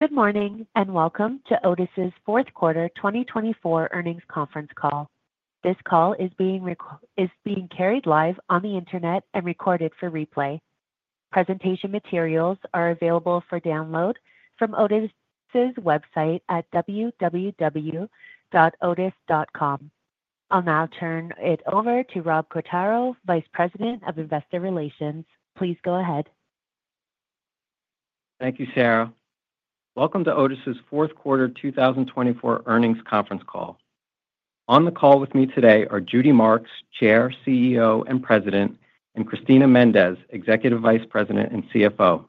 Good morning and welcome to Otis's fourth quarter 2024 earnings conference call. This call is being carried live on the internet and recorded for replay. Presentation materials are available for download from Otis's website at www.otis.com. I'll now turn it over to Rob Quartaro, Vice President of Investor Relations. Please go ahead. Thank you, Sarah. Welcome to Otis's fourth quarter 2024 earnings conference call. On the call with me today are Judy Marks, Chair, CEO, and President, and Cristina Méndez, Executive Vice President and CFO.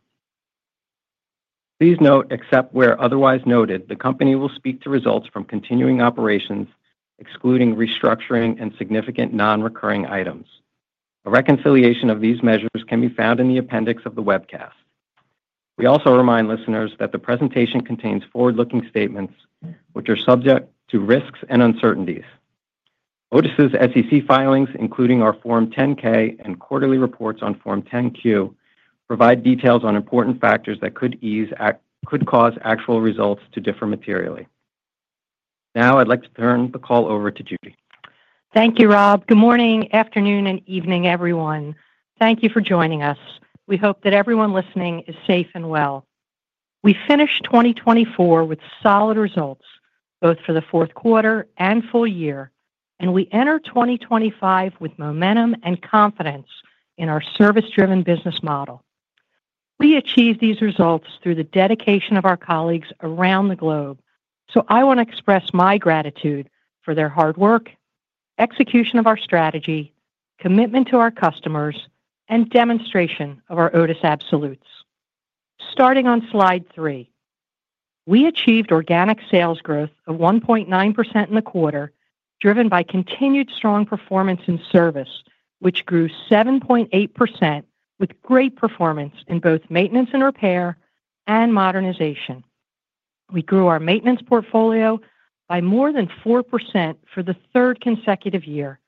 Please note, except where otherwise noted, the company will speak to results from continuing operations, excluding restructuring and significant non-recurring items. A reconciliation of these measures can be found in the appendix of the webcast. We also remind listeners that the presentation contains forward-looking statements, which are subject to risks and uncertainties. Otis's SEC filings, including our Form 10-K and quarterly reports on Form 10-Q, provide details on important factors that could cause actual results to differ materially. Now I'd like to turn the call over to Judy. Thank you, Rob. Good morning, afternoon, and evening, everyone. Thank you for joining us. We hope that everyone listening is safe and well. We finished 2024 with solid results, both for the fourth quarter and full year, and we enter 2025 with momentum and confidence in our service-driven business model. We achieved these results through the dedication of our colleagues around the globe, so I want to express my gratitude for their hard work, execution of our strategy, commitment to our customers, and demonstration of our Otis Absolutes. Starting on slide three, we achieved organic sales growth of 1.9% in the quarter, driven by continued strong performance in service, which grew 7.8% with great performance in both maintenance and repair and modernization. We grew our maintenance portfolio by more than 4% for the third consecutive year,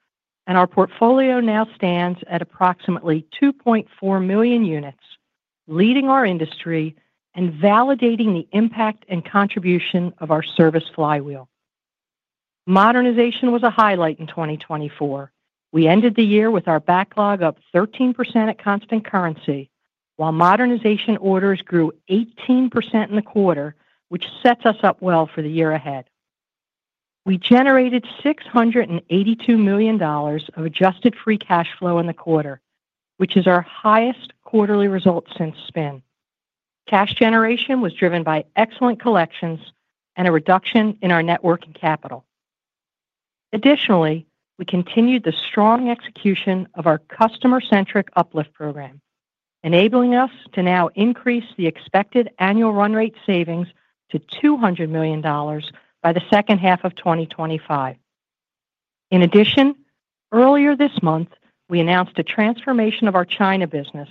and our portfolio now stands at approximately 2.4 million units, leading our industry and validating the impact and contribution of our service flywheel. Modernization was a highlight in 2024. We ended the year with our backlog up 13% at constant currency, while modernization orders grew 18% in the quarter, which sets us up well for the year ahead. We generated $682 million of adjusted free cash flow in the quarter, which is our highest quarterly result since spin. Cash generation was driven by excellent collections and a reduction in our net working capital. Additionally, we continued the strong execution of our customer-centric UpLift program, enabling us to now increase the expected annual run rate savings to $200 million by the second half of 2025. In addition, earlier this month, we announced a transformation of our China business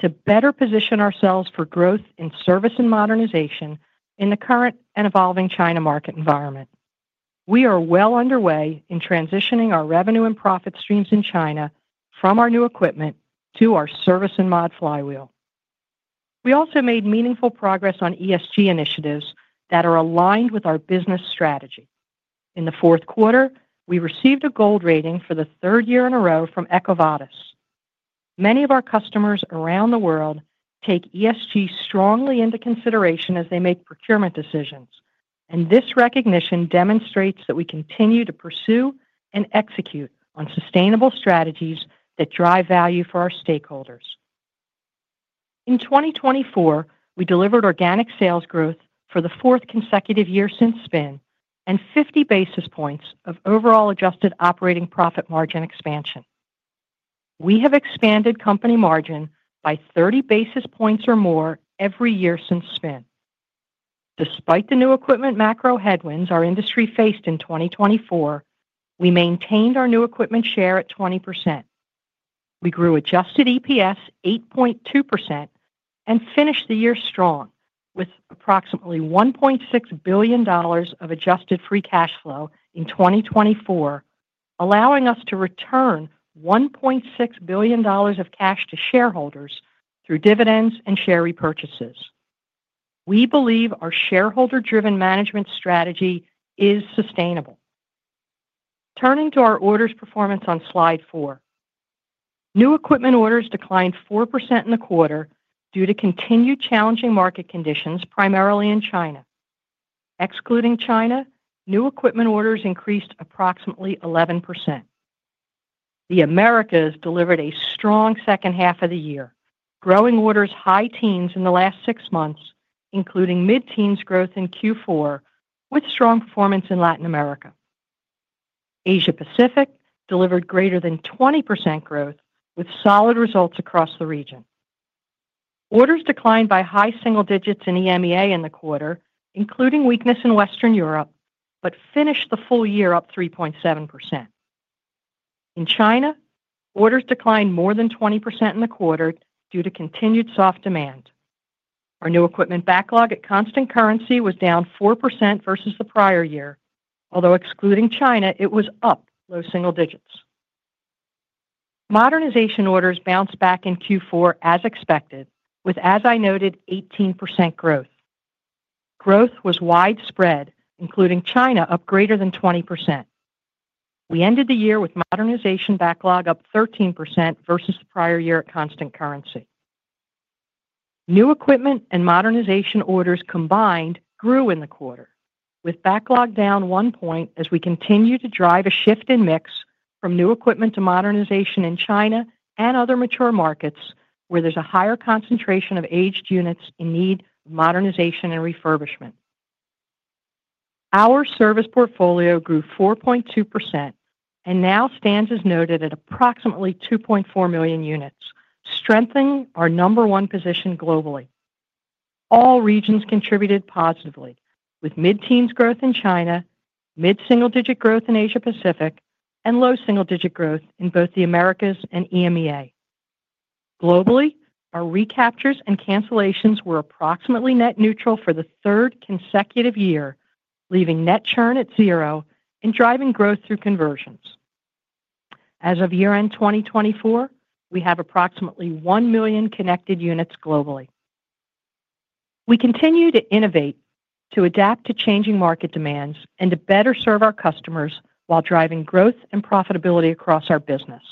to better position ourselves for growth in service and modernization in the current and evolving China market environment. We are well underway in transitioning our revenue and profit streams in China from our new equipment to our service and mod flywheel. We also made meaningful progress on ESG initiatives that are aligned with our business strategy. In the fourth quarter, we received a gold rating for the third year in a row from EcoVadis. Many of our customers around the world take ESG strongly into consideration as they make procurement decisions, and this recognition demonstrates that we continue to pursue and execute on sustainable strategies that drive value for our stakeholders. In 2024, we delivered organic sales growth for the fourth consecutive year since spin and 50 basis points of overall adjusted operating profit margin expansion. We have expanded company margin by 30 basis points or more every year since spin. Despite the new equipment macro headwinds our industry faced in 2024, we maintained our new equipment share at 20%. We grew adjusted EPS 8.2% and finished the year strong with approximately $1.6 billion of adjusted free cash flow in 2024, allowing us to return $1.6 billion of cash to shareholders through dividends and share repurchases. We believe our shareholder-driven management strategy is sustainable. Turning to our orders performance on slide four, new equipment orders declined 4% in the quarter due to continued challenging market conditions, primarily in China. Excluding China, new equipment orders increased approximately 11%. The Americas delivered a strong second half of the year, growing orders high teens in the last six months, including mid-teens growth in Q4, with strong performance in Latin America. Asia-Pacific delivered greater than 20% growth, with solid results across the region. Orders declined by high single digits in EMEA in the quarter, including weakness in Western Europe, but finished the full year up 3.7%. In China, orders declined more than 20% in the quarter due to continued soft demand. Our new equipment backlog at constant currency was down 4% versus the prior year. Although excluding China, it was up low single digits. Modernization orders bounced back in Q4, as expected, with, as I noted, 18% growth. Growth was widespread, including China, up greater than 20%. We ended the year with modernization backlog up 13% versus the prior year at constant currency. New Equipment and Modernization orders combined grew in the quarter, with Backlog down one point as we continue to drive a shift in mix from New Equipment to Modernization in China and other mature markets, where there's a higher concentration of aged units in need of Modernization and refurbishment. Our service portfolio grew 4.2% and now stands, as noted, at approximately 2.4 million units, strengthening our number one position globally. All regions contributed positively, with mid-teens growth in China, mid-single digit growth in Asia-Pacific, and low single digit growth in both the Americas and EMEA. Globally, our recaptures and cancellations were approximately net neutral for the third consecutive year, leaving net churn at zero and driving growth through conversions. As of year-end 2024, we have approximately 1 million connected units globally. We continue to innovate to adapt to changing market demands and to better serve our customers while driving growth and profitability across our business.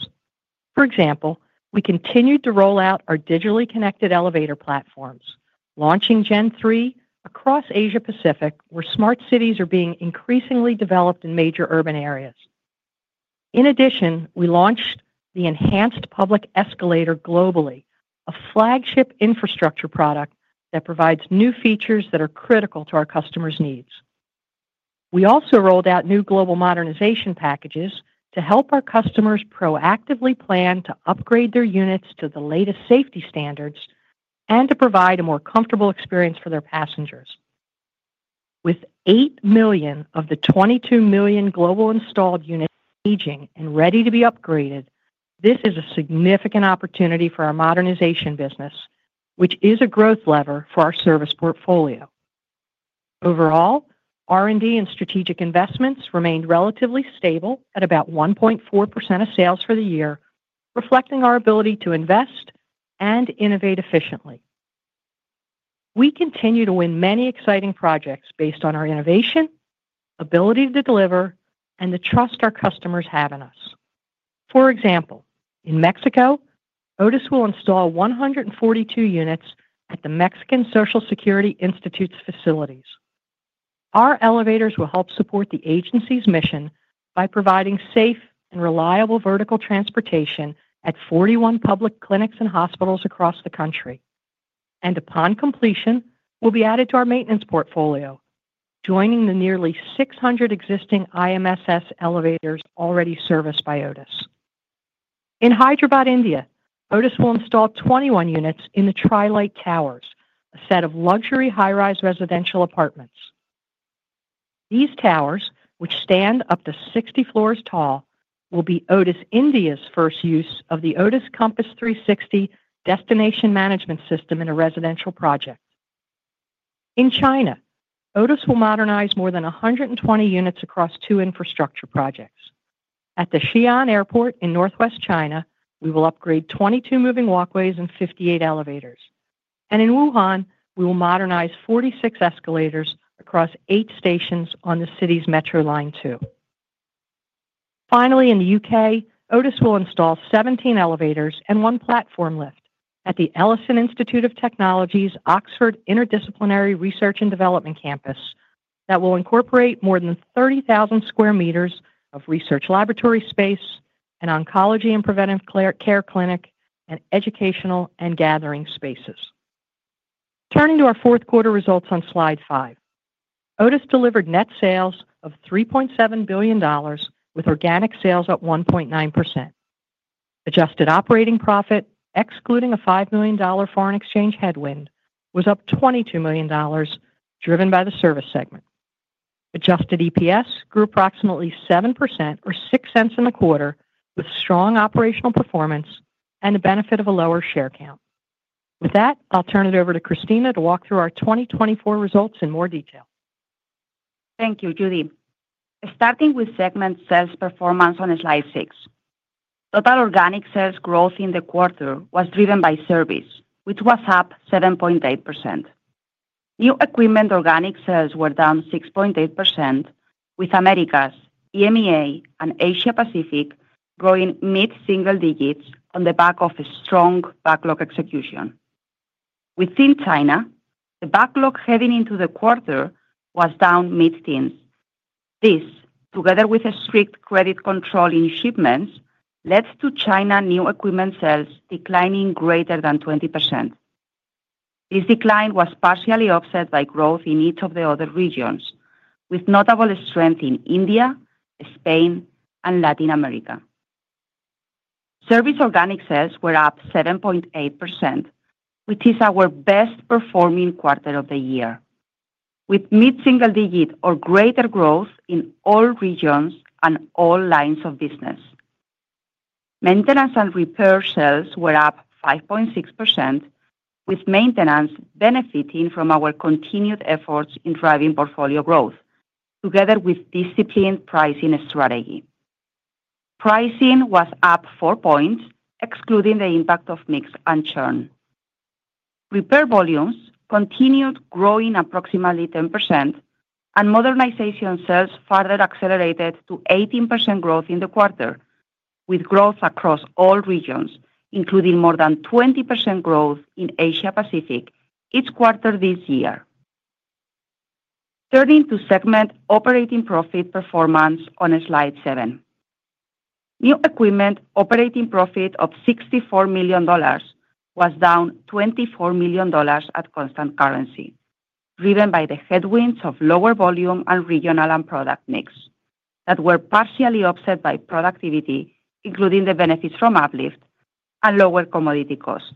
For example, we continued to roll out our digitally connected elevator platforms, launching Gen3 across Asia-Pacific, where smart cities are being increasingly developed in major urban areas. In addition, we launched the Enhanced Public Escalator globally, a flagship infrastructure product that provides new features that are critical to our customers' needs. We also rolled out new global modernization packages to help our customers proactively plan to upgrade their units to the latest safety standards and to provide a more comfortable experience for their passengers. With eight million of the 22 million global installed units aging and ready to be upgraded, this is a significant opportunity for our modernization business, which is a growth lever for our service portfolio. Overall, R&D and strategic investments remained relatively stable at about 1.4% of sales for the year, reflecting our ability to invest and innovate efficiently. We continue to win many exciting projects based on our innovation, ability to deliver, and the trust our customers have in us. For example, in Mexico, Otis will install 142 units at the Mexican Social Security Institute's facilities. Our elevators will help support the agency's mission by providing safe and reliable vertical transportation at 41 public clinics and hospitals across the country, and upon completion, will be added to our maintenance portfolio, joining the nearly 600 existing IMSS elevators already serviced by Otis. In Hyderabad, India, Otis will install 21 units in the Trilite Towers, a set of luxury high-rise residential apartments. These towers, which stand up to 60 floors tall, will be Otis India's first use of the Otis Compass 360 destination management system in a residential project. In China, Otis will modernize more than 120 units across two infrastructure projects. At the Xi'an Airport in northwest China, we will upgrade 22 moving walkways and 58 elevators, and in Wuhan, we will modernize 46 escalators across eight stations on the city's Metro Line 2. Finally, in the U.K., Otis will install 17 elevators and one platform lift at the Ellison Institute of Technology's Oxford Interdisciplinary Research and Development campus that will incorporate more than 30,000 square meters of research laboratory space, an oncology and preventive care clinic, and educational and gathering spaces. Turning to our fourth quarter results on slide five, Otis delivered net sales of $3.7 billion, with organic sales up 1.9%. Adjusted operating profit, excluding a $5 million foreign exchange headwind, was up $22 million, driven by the service segment. Adjusted EPS grew approximately 7% or $0.06 in the quarter, with strong operational performance and the benefit of a lower share count. With that, I'll turn it over to Cristina to walk through our 2024 results in more detail. Thank you, Judy. Starting with segment sales performance on slide six, total organic sales growth in the quarter was driven by service, which was up 7.8%. New equipment organic sales were down 6.8%, with Americas, EMEA, and Asia-Pacific growing mid-single digits on the back of strong backlog execution. Within China, the backlog heading into the quarter was down mid-teens. This, together with strict credit control in shipments, led to China new equipment sales declining greater than 20%. This decline was partially offset by growth in each of the other regions, with notable strength in India, Spain, and Latin America. Service organic sales were up 7.8%, which is our best-performing quarter of the year, with mid-single digit or greater growth in all regions and all lines of business. Maintenance and repair sales were up 5.6%, with maintenance benefiting from our continued efforts in driving portfolio growth, together with disciplined pricing strategy. Pricing was up four points, excluding the impact of mix and churn. Repair volumes continued growing approximately 10%, and modernization sales further accelerated to 18% growth in the quarter, with growth across all regions, including more than 20% growth in Asia-Pacific each quarter this year. Turning to segment operating profit performance on slide seven, new equipment operating profit of $64 million was down $24 million at constant currency, driven by the headwinds of lower volume and regional and product mix that were partially offset by productivity, including the benefits from uplift and lower commodity cost.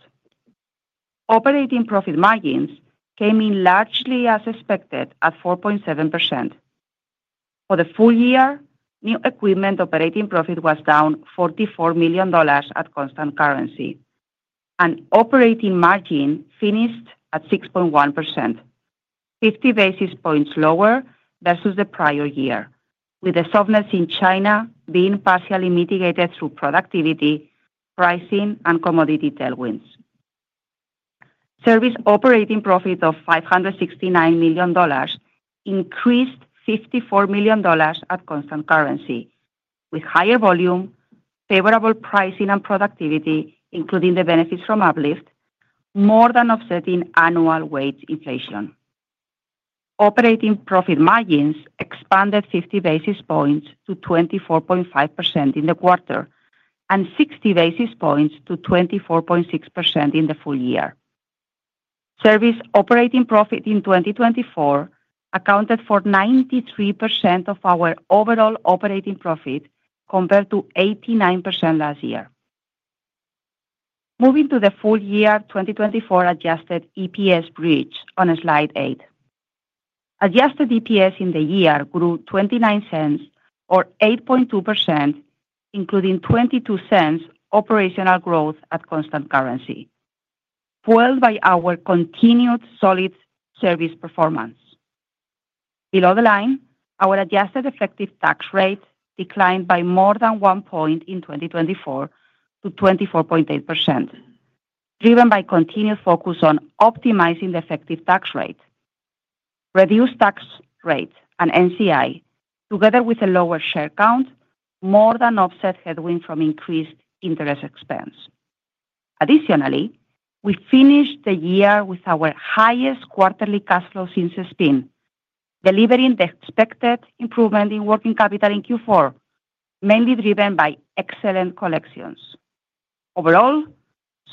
Operating profit margins came in largely as expected at 4.7%. For the full year, new equipment operating profit was down $44 million at constant currency, and operating margin finished at 6.1%, 50 basis points lower versus the prior year, with the softness in China being partially mitigated through productivity, pricing, and commodity tailwinds. Service operating profit of $569 million increased $54 million at constant currency, with higher volume, favorable pricing, and productivity, including the benefits from Uplift, more than offsetting annual wage inflation. Operating profit margins expanded 50 basis points to 24.5% in the quarter and 60 basis points to 24.6% in the full year. Service operating profit in 2024 accounted for 93% of our overall operating profit compared to 89% last year. Moving to the full year 2024 adjusted EPS bridge on slide eight, adjusted EPS in the year grew $0.29 or 8.2%, including $0.22 operational growth at constant currency, buoyed by our continued solid service performance. Below the line, our adjusted effective tax rate declined by more than one point in 2024 to 24.8%, driven by continued focus on optimizing the effective tax rate. Reduced tax rate and NCI, together with a lower share count, more than offset headwinds from increased interest expense. Additionally, we finished the year with our highest quarterly cash flow since spin, delivering the expected improvement in working capital in Q4, mainly driven by excellent collections. Overall,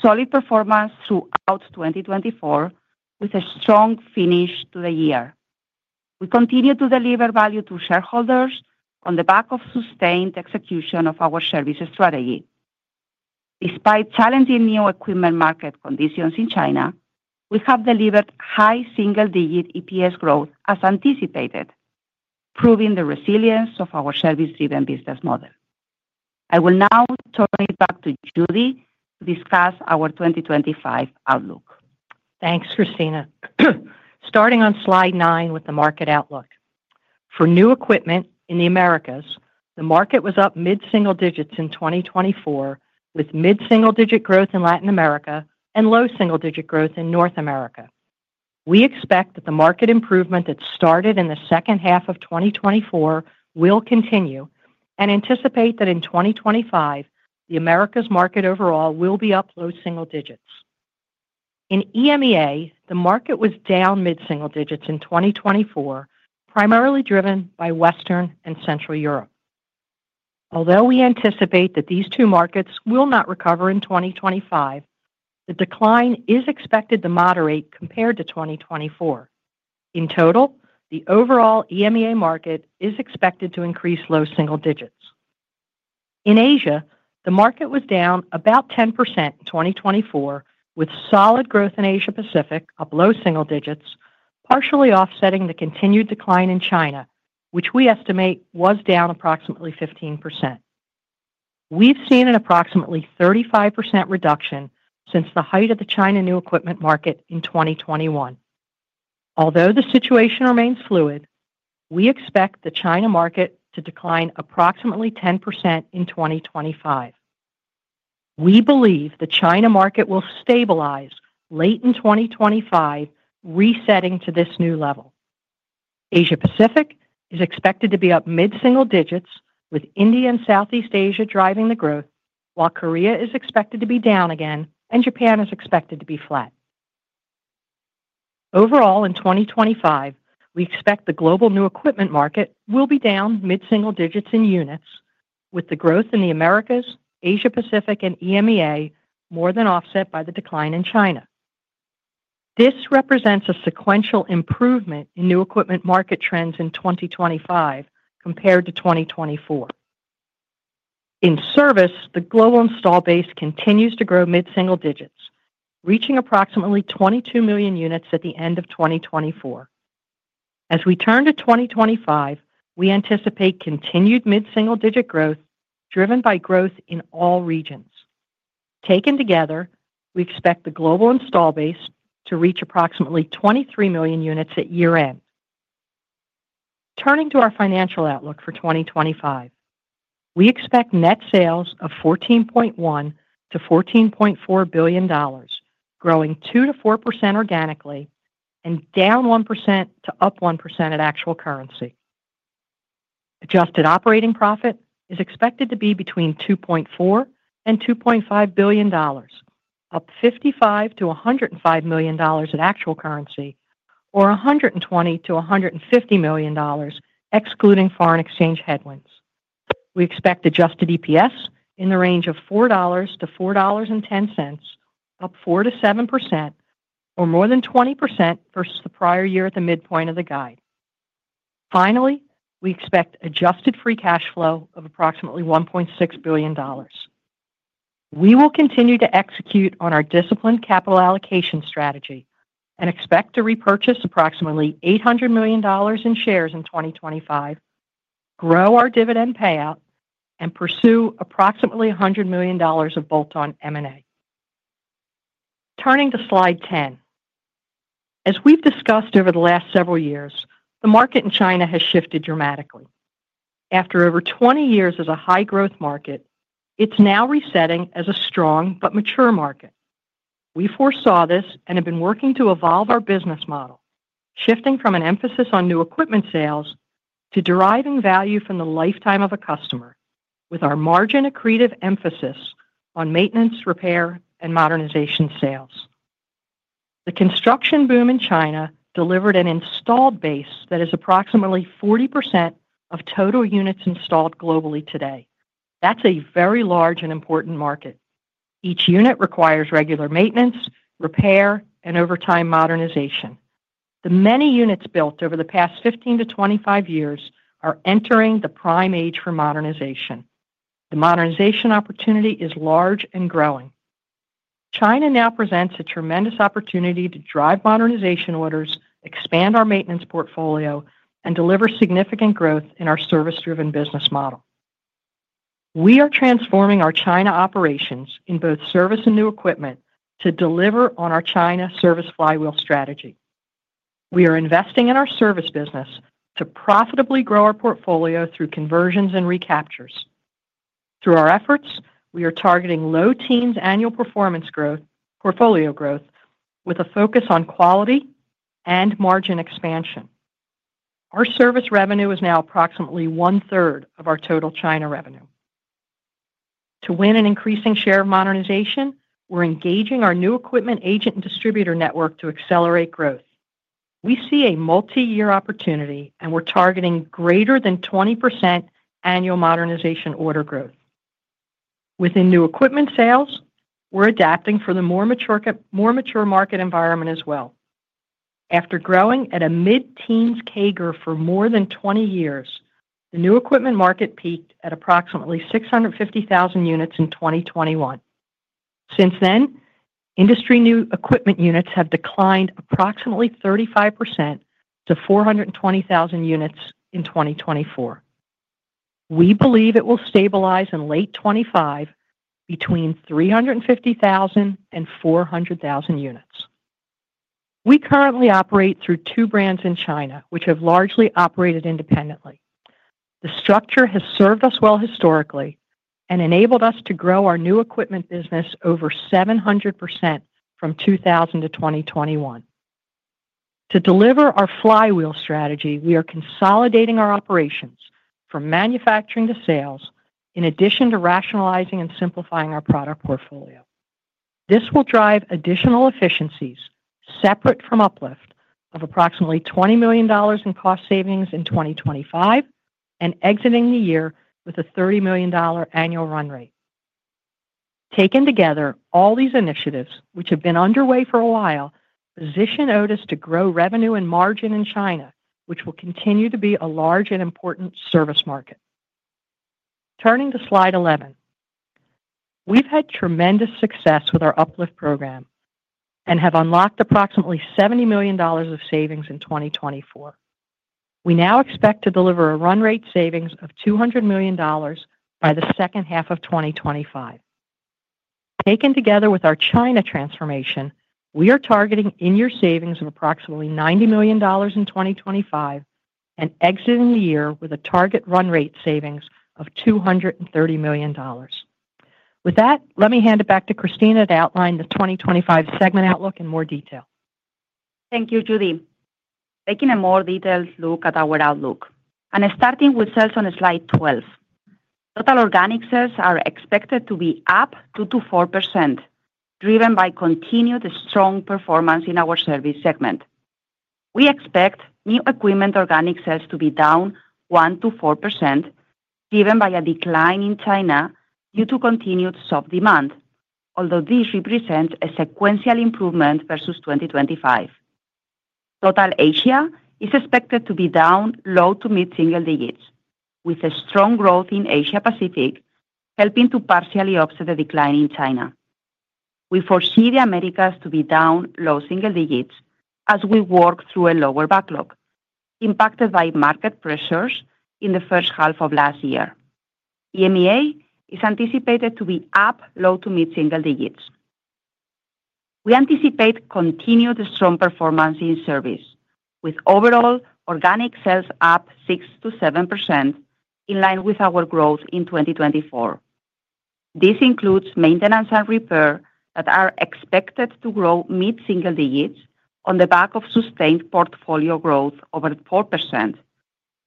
solid performance throughout 2024, with a strong finish to the year. We continue to deliver value to shareholders on the back of sustained execution of our service strategy. Despite challenging new equipment market conditions in China, we have delivered high single-digit EPS growth as anticipated, proving the resilience of our service-driven business model. I will now turn it back to Judy to discuss our 2025 outlook. Thanks, Cristina. Starting on slide nine with the market outlook. For new equipment in the Americas, the market was up mid-single digits in 2024, with mid-single digit growth in Latin America and low single digit growth in North America. We expect that the market improvement that started in the second half of 2024 will continue and anticipate that in 2025, the Americas market overall will be up low single digits. In EMEA, the market was down mid-single digits in 2024, primarily driven by Western and Central Europe. Although we anticipate that these two markets will not recover in 2025, the decline is expected to moderate compared to 2024. In total, the overall EMEA market is expected to increase low single digits. In Asia, the market was down about 10% in 2024, with solid growth in Asia-Pacific up low single digits, partially offsetting the continued decline in China, which we estimate was down approximately 15%. We've seen an approximately 35% reduction since the height of the China new equipment market in 2021. Although the situation remains fluid, we expect the China market to decline approximately 10% in 2025. We believe the China market will stabilize late in 2025, resetting to this new level. Asia-Pacific is expected to be up mid-single digits, with India and Southeast Asia driving the growth, while Korea is expected to be down again, and Japan is expected to be flat. Overall, in 2025, we expect the global new equipment market will be down mid-single digits in units, with the growth in the Americas, Asia-Pacific, and EMEA more than offset by the decline in China. This represents a sequential improvement in new equipment market trends in 2025 compared to 2024. In service, the global installed base continues to grow mid-single digits, reaching approximately 22 million units at the end of 2024. As we turn to 2025, we anticipate continued mid-single digit growth driven by growth in all regions. Taken together, we expect the global installed base to reach approximately 23 million units at year-end. Turning to our financial outlook for 2025, we expect net sales of $14.1-$14.4 billion, growing 2%-4% organically and down 1% to up 1% at actual currency. Adjusted operating profit is expected to be between $2.4 and $2.5 billion, up $55-$105 million at actual currency or $120-$150 million, excluding foreign exchange headwinds. We expect Adjusted EPS in the range of $4-$4.10, up 4%-7% or more than 20% versus the prior year at the midpoint of the guide. Finally, we expect Adjusted Free Cash Flow of approximately $1.6 billion. We will continue to execute on our disciplined capital allocation strategy and expect to repurchase approximately $800 million in shares in 2025, grow our dividend payout, and pursue approximately $100 million of bolt-on M&A. Turning to slide 10, as we've discussed over the last several years, the market in China has shifted dramatically. After over 20 years as a high-growth market, it's now resetting as a strong but mature market. We foresaw this and have been working to evolve our business model, shifting from an emphasis on new equipment sales to deriving value from the lifetime of a customer, with our margin accretive emphasis on maintenance, repair, and modernization sales. The construction boom in China delivered an installed base that is approximately 40% of total units installed globally today. That's a very large and important market. Each unit requires regular maintenance, repair, and over time modernization. The many units built over the past 15-25 years are entering the prime age for modernization. The modernization opportunity is large and growing. China now presents a tremendous opportunity to drive modernization orders, expand our maintenance portfolio, and deliver significant growth in our service-driven business model. We are transforming our China operations in both service and new equipment to deliver on our China service flywheel strategy. We are investing in our service business to profitably grow our portfolio through conversions and recaptures. Through our efforts, we are targeting low teens annual performance growth, portfolio growth, with a focus on quality and margin expansion. Our service revenue is now approximately one-third of our total China revenue. To win an increasing share of modernization, we're engaging our new equipment agent and distributor network to accelerate growth. We see a multi-year opportunity, and we're targeting greater than 20% annual modernization order growth. Within new equipment sales, we're adapting for the more mature market environment as well. After growing at a mid-teens CAGR for more than 20 years, the new equipment market peaked at approximately 650,000 units in 2021. Since then, industry new equipment units have declined approximately 35% to 420,000 units in 2024. We believe it will stabilize in late 2025 between 350,000 and 400,000 units. We currently operate through two brands in China, which have largely operated independently. The structure has served us well historically and enabled us to grow our new equipment business over 700% from 2000 to 2021. To deliver our flywheel strategy, we are consolidating our operations from manufacturing to sales, in addition to rationalizing and simplifying our product portfolio. This will drive additional efficiencies separate from uplift of approximately $20 million in cost savings in 2025 and exiting the year with a $30 million annual run rate. Taken together, all these initiatives, which have been underway for a while, position Otis to grow revenue and margin in China, which will continue to be a large and important service market. Turning to slide 11, we've had tremendous success with our uplift program and have unlocked approximately $70 million of savings in 2024. We now expect to deliver a run rate savings of $200 million by the second half of 2025. Taken together with our China transformation, we are targeting in-year savings of approximately $90 million in 2025 and exiting the year with a target run rate savings of $230 million. With that, let me hand it back to Cristina to outline the 2025 segment outlook in more detail. Thank you, Judy. Taking a more detailed look at our outlook, and starting with sales on slide 12, total organic sales are expected to be up 2%-4%, driven by continued strong performance in our service segment. We expect new equipment organic sales to be down 1%-4%, driven by a decline in China due to continued soft demand, although this represents a sequential improvement versus 2025. Total Asia is expected to be down low to mid-single digits, with strong growth in Asia-Pacific helping to partially offset the decline in China. We foresee the Americas to be down low single digits as we work through a lower backlog impacted by market pressures in the first half of last year. EMEA is anticipated to be up low to mid-single digits. We anticipate continued strong performance in service, with overall organic sales up 6% to 7% in line with our growth in 2024. This includes maintenance and repair that are expected to grow mid-single digits on the back of sustained portfolio growth over 4%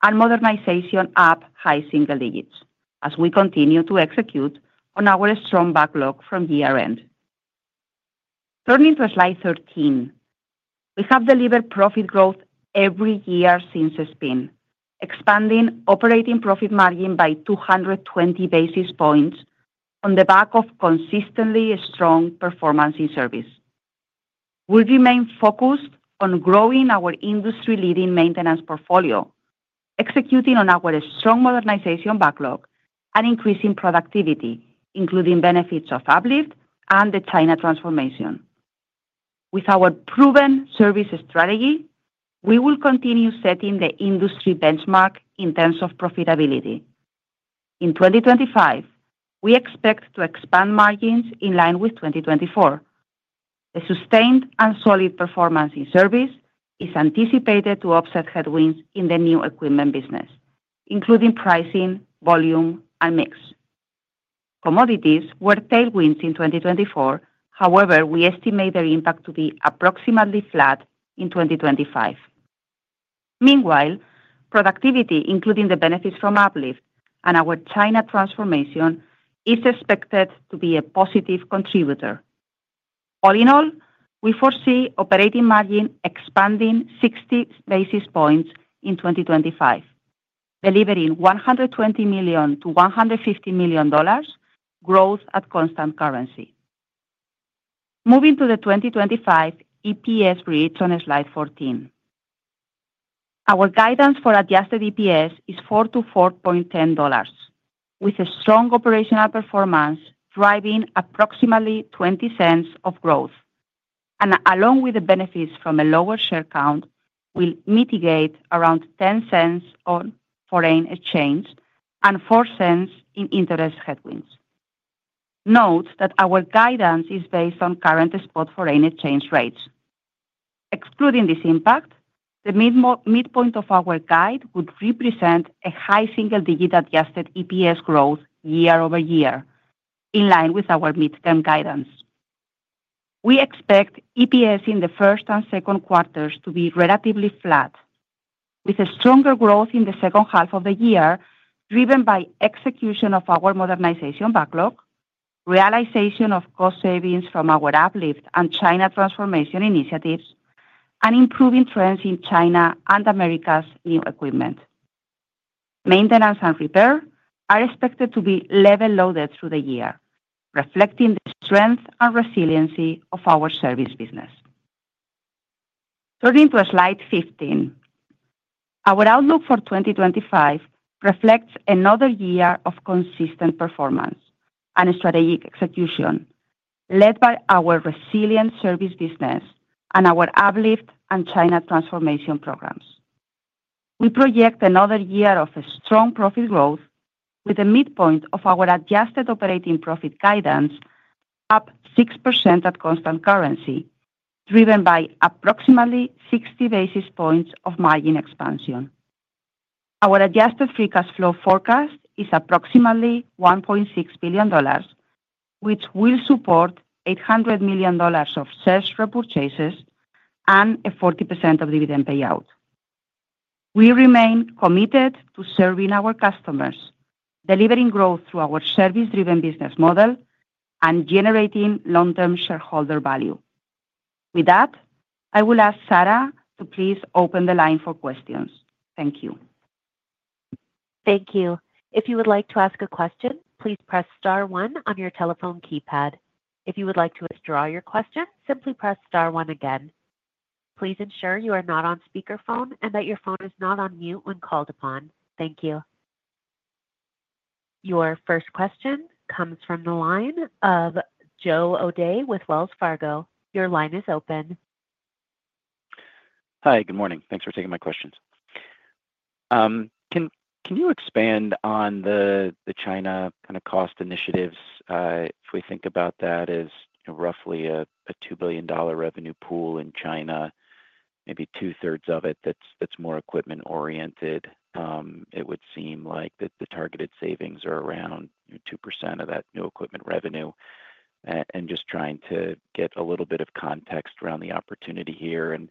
and modernization up high single digits as we continue to execute on our strong backlog from year-end. Turning to slide 13, we have delivered profit growth every year since spin, expanding operating profit margin by 220 basis points on the back of consistently strong performance in service. We remain focused on growing our industry-leading maintenance portfolio, executing on our strong modernization backlog and increasing productivity, including benefits of Uplift and the China transformation. With our proven service strategy, we will continue setting the industry benchmark in terms of profitability. In 2025, we expect to expand margins in line with 2024. The sustained and solid performance in service is anticipated to offset headwinds in the new equipment business, including pricing, volume, and mix. Commodities were tailwinds in 2024; however, we estimate their impact to be approximately flat in 2025. Meanwhile, productivity, including the benefits from Uplift and our China transformation, is expected to be a positive contributor. All in all, we foresee operating margin expanding 60 basis points in 2025, delivering $120 million-$150 million growth at constant currency. Moving to the 2025 EPS reads on slide 14. Our guidance for adjusted EPS is $4-$4.10, with strong operational performance driving approximately $0.20 of growth. Along with the benefits from a lower share count, we'll mitigate around $0.10 on foreign exchange and $0.04 in interest headwinds. Note that our guidance is based on current spot foreign exchange rates. Excluding this impact, the midpoint of our guide would represent a high single-digit adjusted EPS growth year over year, in line with our midterm guidance. We expect EPS in the first and second quarters to be relatively flat, with stronger growth in the second half of the year driven by execution of our modernization backlog, realization of cost savings from our Uplift and China transformation initiatives, and improving trends in China and Americas' new equipment. Maintenance and repair are expected to be level loaded through the year, reflecting the strength and resiliency of our service business. Turning to slide 15, our outlook for 2025 reflects another year of consistent performance and strategic execution led by our resilient service business and our Uplift and China transformation programs. We project another year of strong profit growth, with the midpoint of our adjusted operating profit guidance up 6% at constant currency, driven by approximately 60 basis points of margin expansion. Our adjusted free cash flow forecast is approximately $1.6 billion, which will support $800 million of share repurchases and a 40% dividend payout. We remain committed to serving our customers, delivering growth through our service-driven business model and generating long-term shareholder value. With that, I will ask Sarah to please open the line for questions. Thank you. Thank you. If you would like to ask a question, please press star one on your telephone keypad. If you would like to withdraw your question, simply press star one again. Please ensure you are not on speakerphone and that your phone is not on mute when called upon. Thank you. Your first question comes from the line of Joe O'Dea with Wells Fargo. Your line is open. Hi, good morning. Thanks for taking my questions. Can you expand on the China kind of cost initiatives? If we think about that as roughly a $2 billion revenue pool in China, maybe two-thirds of it that's more equipment-oriented, it would seem like the targeted savings are around 2% of that new equipment revenue, and just trying to get a little bit of context around the opportunity here and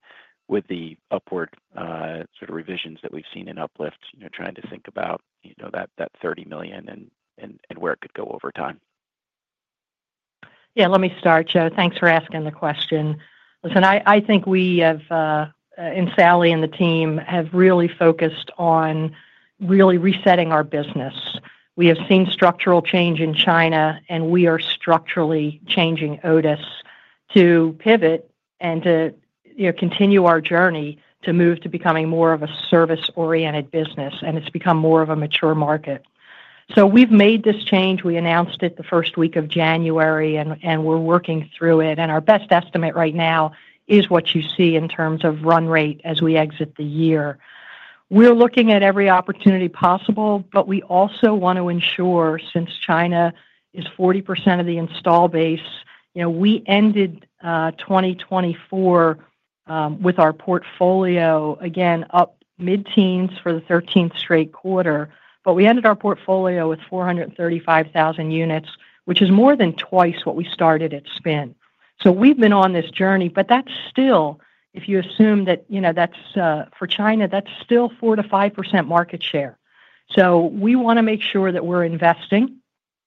with the upward sort of revisions that we've seen in Uplift, trying to think about that $30 million and where it could go over time. Yeah, let me start, Joe. Thanks for asking the question. Listen, I think we have, and Sally and the team have really focused on really resetting our business. We have seen structural change in China, and we are structurally changing Otis to pivot and to continue our journey to move to becoming more of a service-oriented business, and it's become more of a mature market. So we've made this change. We announced it the first week of January, and we're working through it. And our best estimate right now is what you see in terms of run rate as we exit the year. We're looking at every opportunity possible, but we also want to ensure, since China is 40% of the installed base, we ended 2024 with our portfolio again up mid-teens for the 13th straight quarter. But we ended our portfolio with 435,000 units, which is more than twice what we started at spin. So we've been on this journey, but that's still, if you assume that that's for China, that's still 4%-5% market share. So we want to make sure that we're investing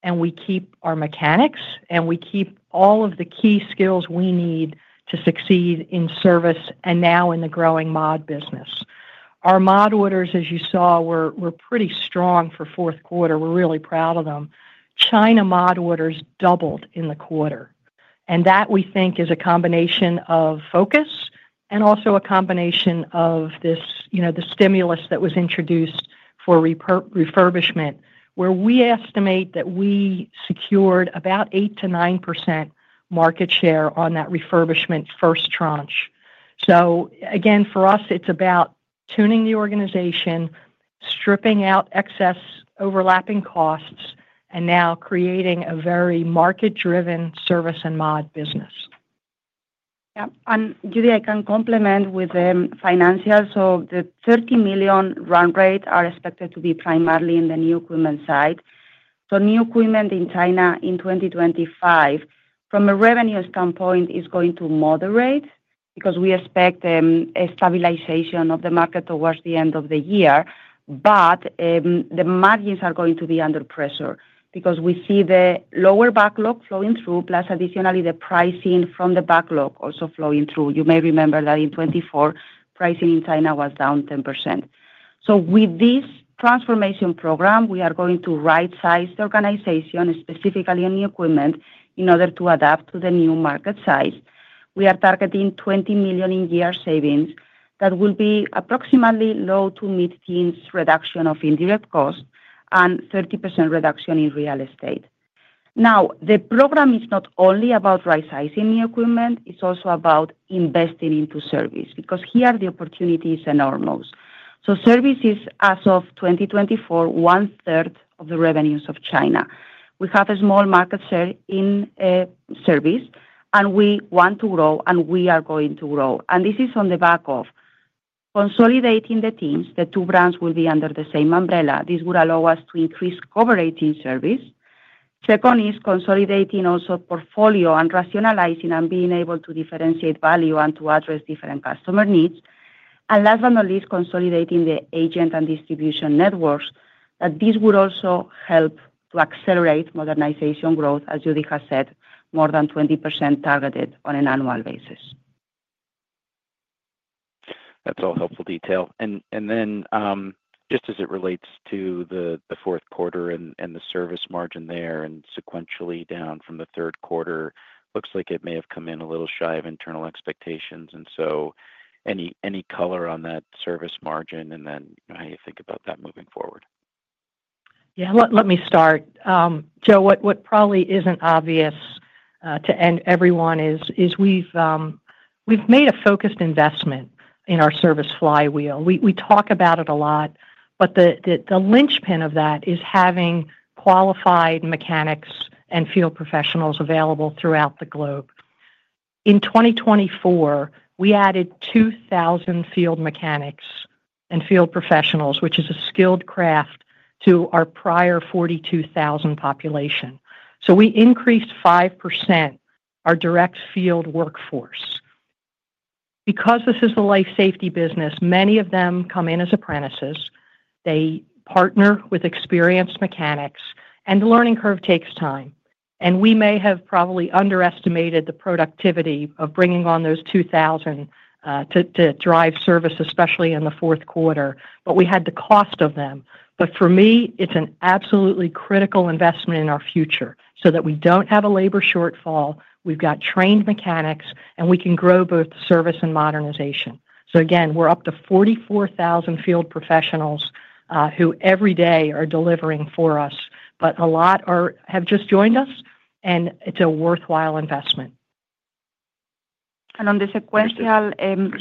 and we keep our mechanics and we keep all of the key skills we need to succeed in service and now in the growing mod business. Our mod orders, as you saw, were pretty strong for fourth quarter. We're really proud of them. China mod orders doubled in the quarter. And that, we think, is a combination of focus and also a combination of the stimulus that was introduced for refurbishment, where we estimate that we secured about 8%-9% market share on that refurbishment first tranche. So again, for us, it's about tuning the organization, stripping out excess overlapping costs, and now creating a very market-driven service and mod business. Yep. And Judy, I can complement with the financials. So the $30 million run rate are expected to be primarily in the new equipment side. So new equipment in China in 2025, from a revenue standpoint, is going to moderate because we expect a stabilization of the market towards the end of the year. But the margins are going to be under pressure because we see the lower backlog flowing through, plus additionally the pricing from the backlog also flowing through. You may remember that in 2024, pricing in China was down 10%. So with this transformation program, we are going to right-size the organization, specifically in new equipment, in order to adapt to the new market size. We are targeting $20 million in year savings that will be approximately low to mid-teens reduction of indirect cost and 30% reduction in real estate. Now, the program is not only about right-sizing new equipment. It's also about investing into service because here the opportunity is enormous. So service is, as of 2024, one-third of the revenues of China. We have a small market share in service, and we want to grow, and we are going to grow, and this is on the back of consolidating the teams. The two brands will be under the same umbrella. This would allow us to increase coverage in service. Second is consolidating also portfolio and rationalizing and being able to differentiate value and to address different customer needs. Last but not least, consolidating the agent and distribution networks would also help to accelerate modernization growth, as Judy has said, more than 20% targeted on an annual basis. That's all helpful detail. And then just as it relates to the fourth quarter and the service margin there and sequentially down from the third quarter, looks like it may have come in a little shy of internal expectations. And so any color on that service margin and then how you think about that moving forward? Yeah, let me start. Joe, what probably isn't obvious to everyone is we've made a focused investment in our service flywheel. We talk about it a lot, but the linchpin of that is having qualified mechanics and field professionals available throughout the globe. In 2024, we added 2,000 field mechanics and field professionals, which is a skilled craft, to our prior 42,000 population. So we increased 5% our direct field workforce. Because this is a life-safety business, many of them come in as apprentices. They partner with experienced mechanics, and the learning curve takes time, and we may have probably underestimated the productivity of bringing on those 2,000 to drive service, especially in the fourth quarter, but we had the cost of them. But for me, it's an absolutely critical investment in our future so that we don't have a labor shortfall, we've got trained mechanics, and we can grow both service and modernization. So again, we're up to 44,000 field professionals who every day are delivering for us, but a lot have just joined us, and it's a worthwhile investment. On the sequential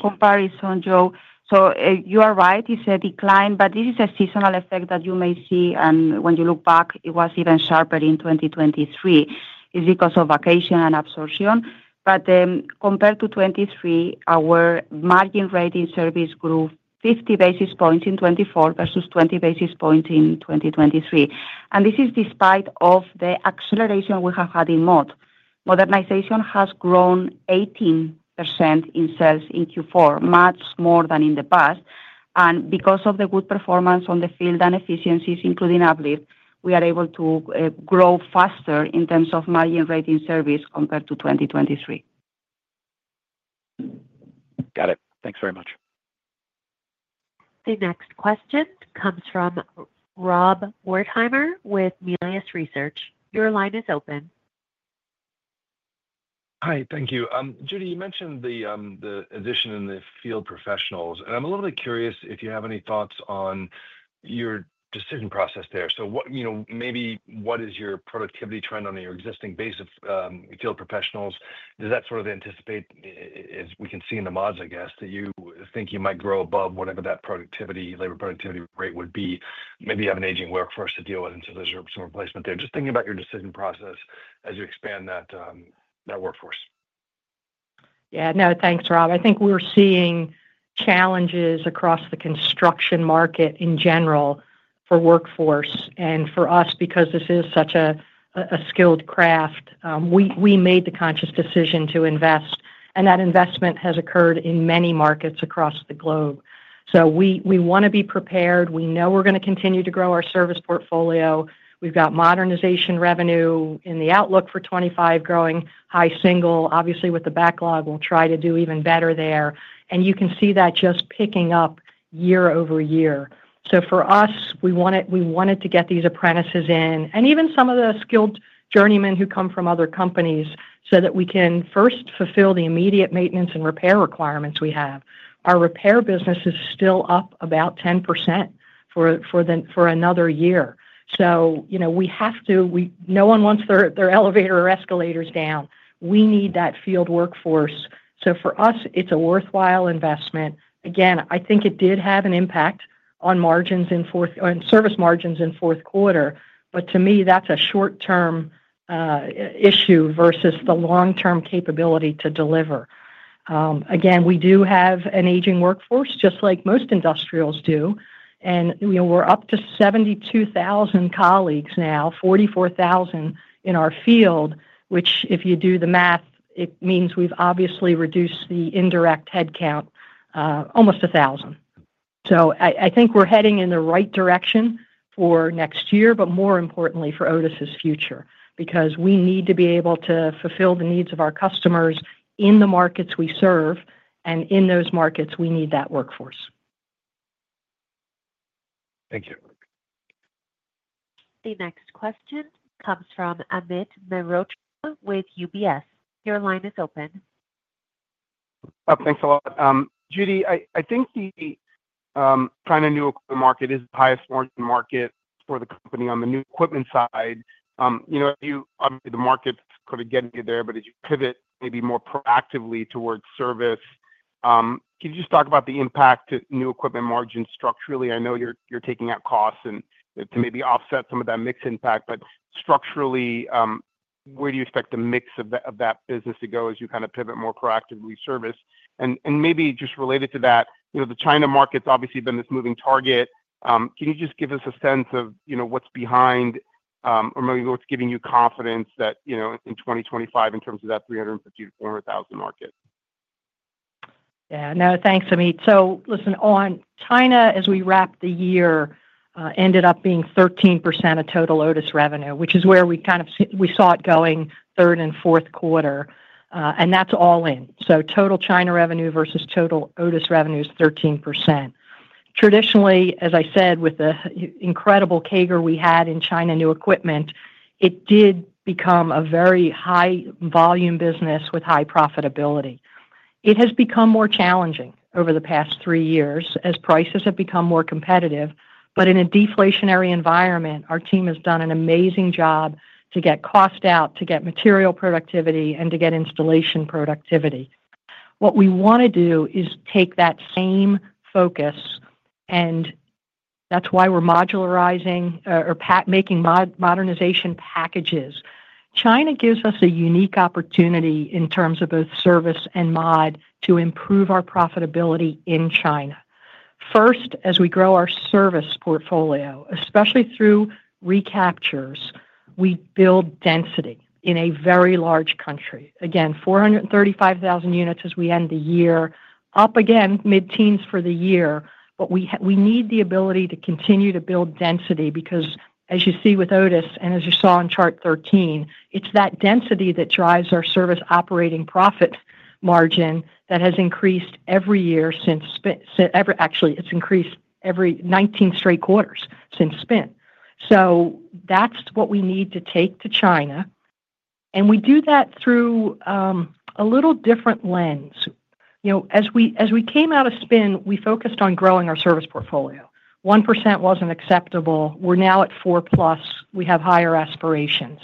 comparison, Joe, so you are right, it's a decline, but this is a seasonal effect that you may see. When you look back, it was even sharper in 2023. It's because of vacation and absorption. Compared to 2023, our margin rate in service grew 50 basis points in 2024 versus 20 basis points in 2023. This is despite the acceleration we have had in mod. Modernization has grown 18% in sales in Q4, much more than in the past. Because of the good performance on the field and efficiencies, including Uplift, we are able to grow faster in terms of margin rate in service compared to 2023. Got it. Thanks very much. The next question comes from Rob Wertheimer with Melius Research. Your line is open. Hi, thank you. Judy, you mentioned the addition in the field professionals, and I'm a little bit curious if you have any thoughts on your decision process there. So maybe what is your productivity trend on your existing base of field professionals? Does that sort of anticipate, as we can see in the mods, I guess, that you think you might grow above whatever that productivity, labor productivity rate would be? Maybe you have an aging workforce to deal with, and so there's some replacement there. Just thinking about your decision process as you expand that workforce. Yeah, no, thanks, Rob. I think we're seeing challenges across the construction market in general for workforce. And for us, because this is such a skilled craft, we made the conscious decision to invest. And that investment has occurred in many markets across the globe. So we want to be prepared. We know we're going to continue to grow our service portfolio. We've got modernization revenue in the outlook for 2025, growing high single. Obviously, with the backlog, we'll try to do even better there. And you can see that just picking up year over year. So for us, we wanted to get these apprentices in and even some of the skilled journeymen who come from other companies so that we can first fulfill the immediate maintenance and repair requirements we have. Our repair business is still up about 10% for another year. So we have to, no one wants their elevator or escalators down. We need that field workforce. So for us, it's a worthwhile investment. Again, I think it did have an impact on margins and service margins in fourth quarter, but to me, that's a short-term issue versus the long-term capability to deliver. Again, we do have an aging workforce, just like most industrials do. And we're up to 72,000 colleagues now, 44,000 in our field, which if you do the math, it means we've obviously reduced the indirect headcount almost 1,000. So I think we're heading in the right direction for next year, but more importantly for Otis's future, because we need to be able to fulfill the needs of our customers in the markets we serve, and in those markets, we need that workforce. Thank you. The next question comes from Amit Mehrotra with UBS. Your line is open. Thanks a lot. Judy, I think the China new equipment market is the highest margin market for the company on the new equipment side. Obviously, the markets couldn't get you there, but as you pivot maybe more proactively towards service, can you just talk about the impact to new equipment margin structurally? I know you're taking out costs to maybe offset some of that mixed impact, but structurally, where do you expect the mix of that business to go as you kind of pivot more proactively service? And maybe just related to that, the China market's obviously been this moving target. Can you just give us a sense of what's behind or maybe what's giving you confidence that in 2025 in terms of that 350,000-400,000 market? Yeah, no, thanks, Amit. So listen, on China, as we wrapped the year, ended up being 13% of total Otis revenue, which is where we kind of saw it going third and fourth quarter, and that's all in, so total China revenue versus total Otis revenue is 13%. Traditionally, as I said, with the incredible CAGR we had in China new equipment, it did become a very high-volume business with high profitability. It has become more challenging over the past three years as prices have become more competitive, but in a deflationary environment, our team has done an amazing job to get cost out, to get material productivity, and to get installation productivity. What we want to do is take that same focus, and that's why we're modularizing or making modernization packages. China gives us a unique opportunity in terms of both service and mod to improve our profitability in China. First, as we grow our service portfolio, especially through recaptures, we build density in a very large country. Again, 435,000 units as we end the year, up again, mid-teens for the year. But we need the ability to continue to build density because, as you see with Otis and as you saw in chart 13, it's that density that drives our service operating profit margin that has increased every year since, actually, it's increased every 19 straight quarters since spin. So that's what we need to take to China. And we do that through a little different lens. As we came out of spin, we focused on growing our service portfolio. 1% wasn't acceptable. We're now at 4% plus. We have higher aspirations.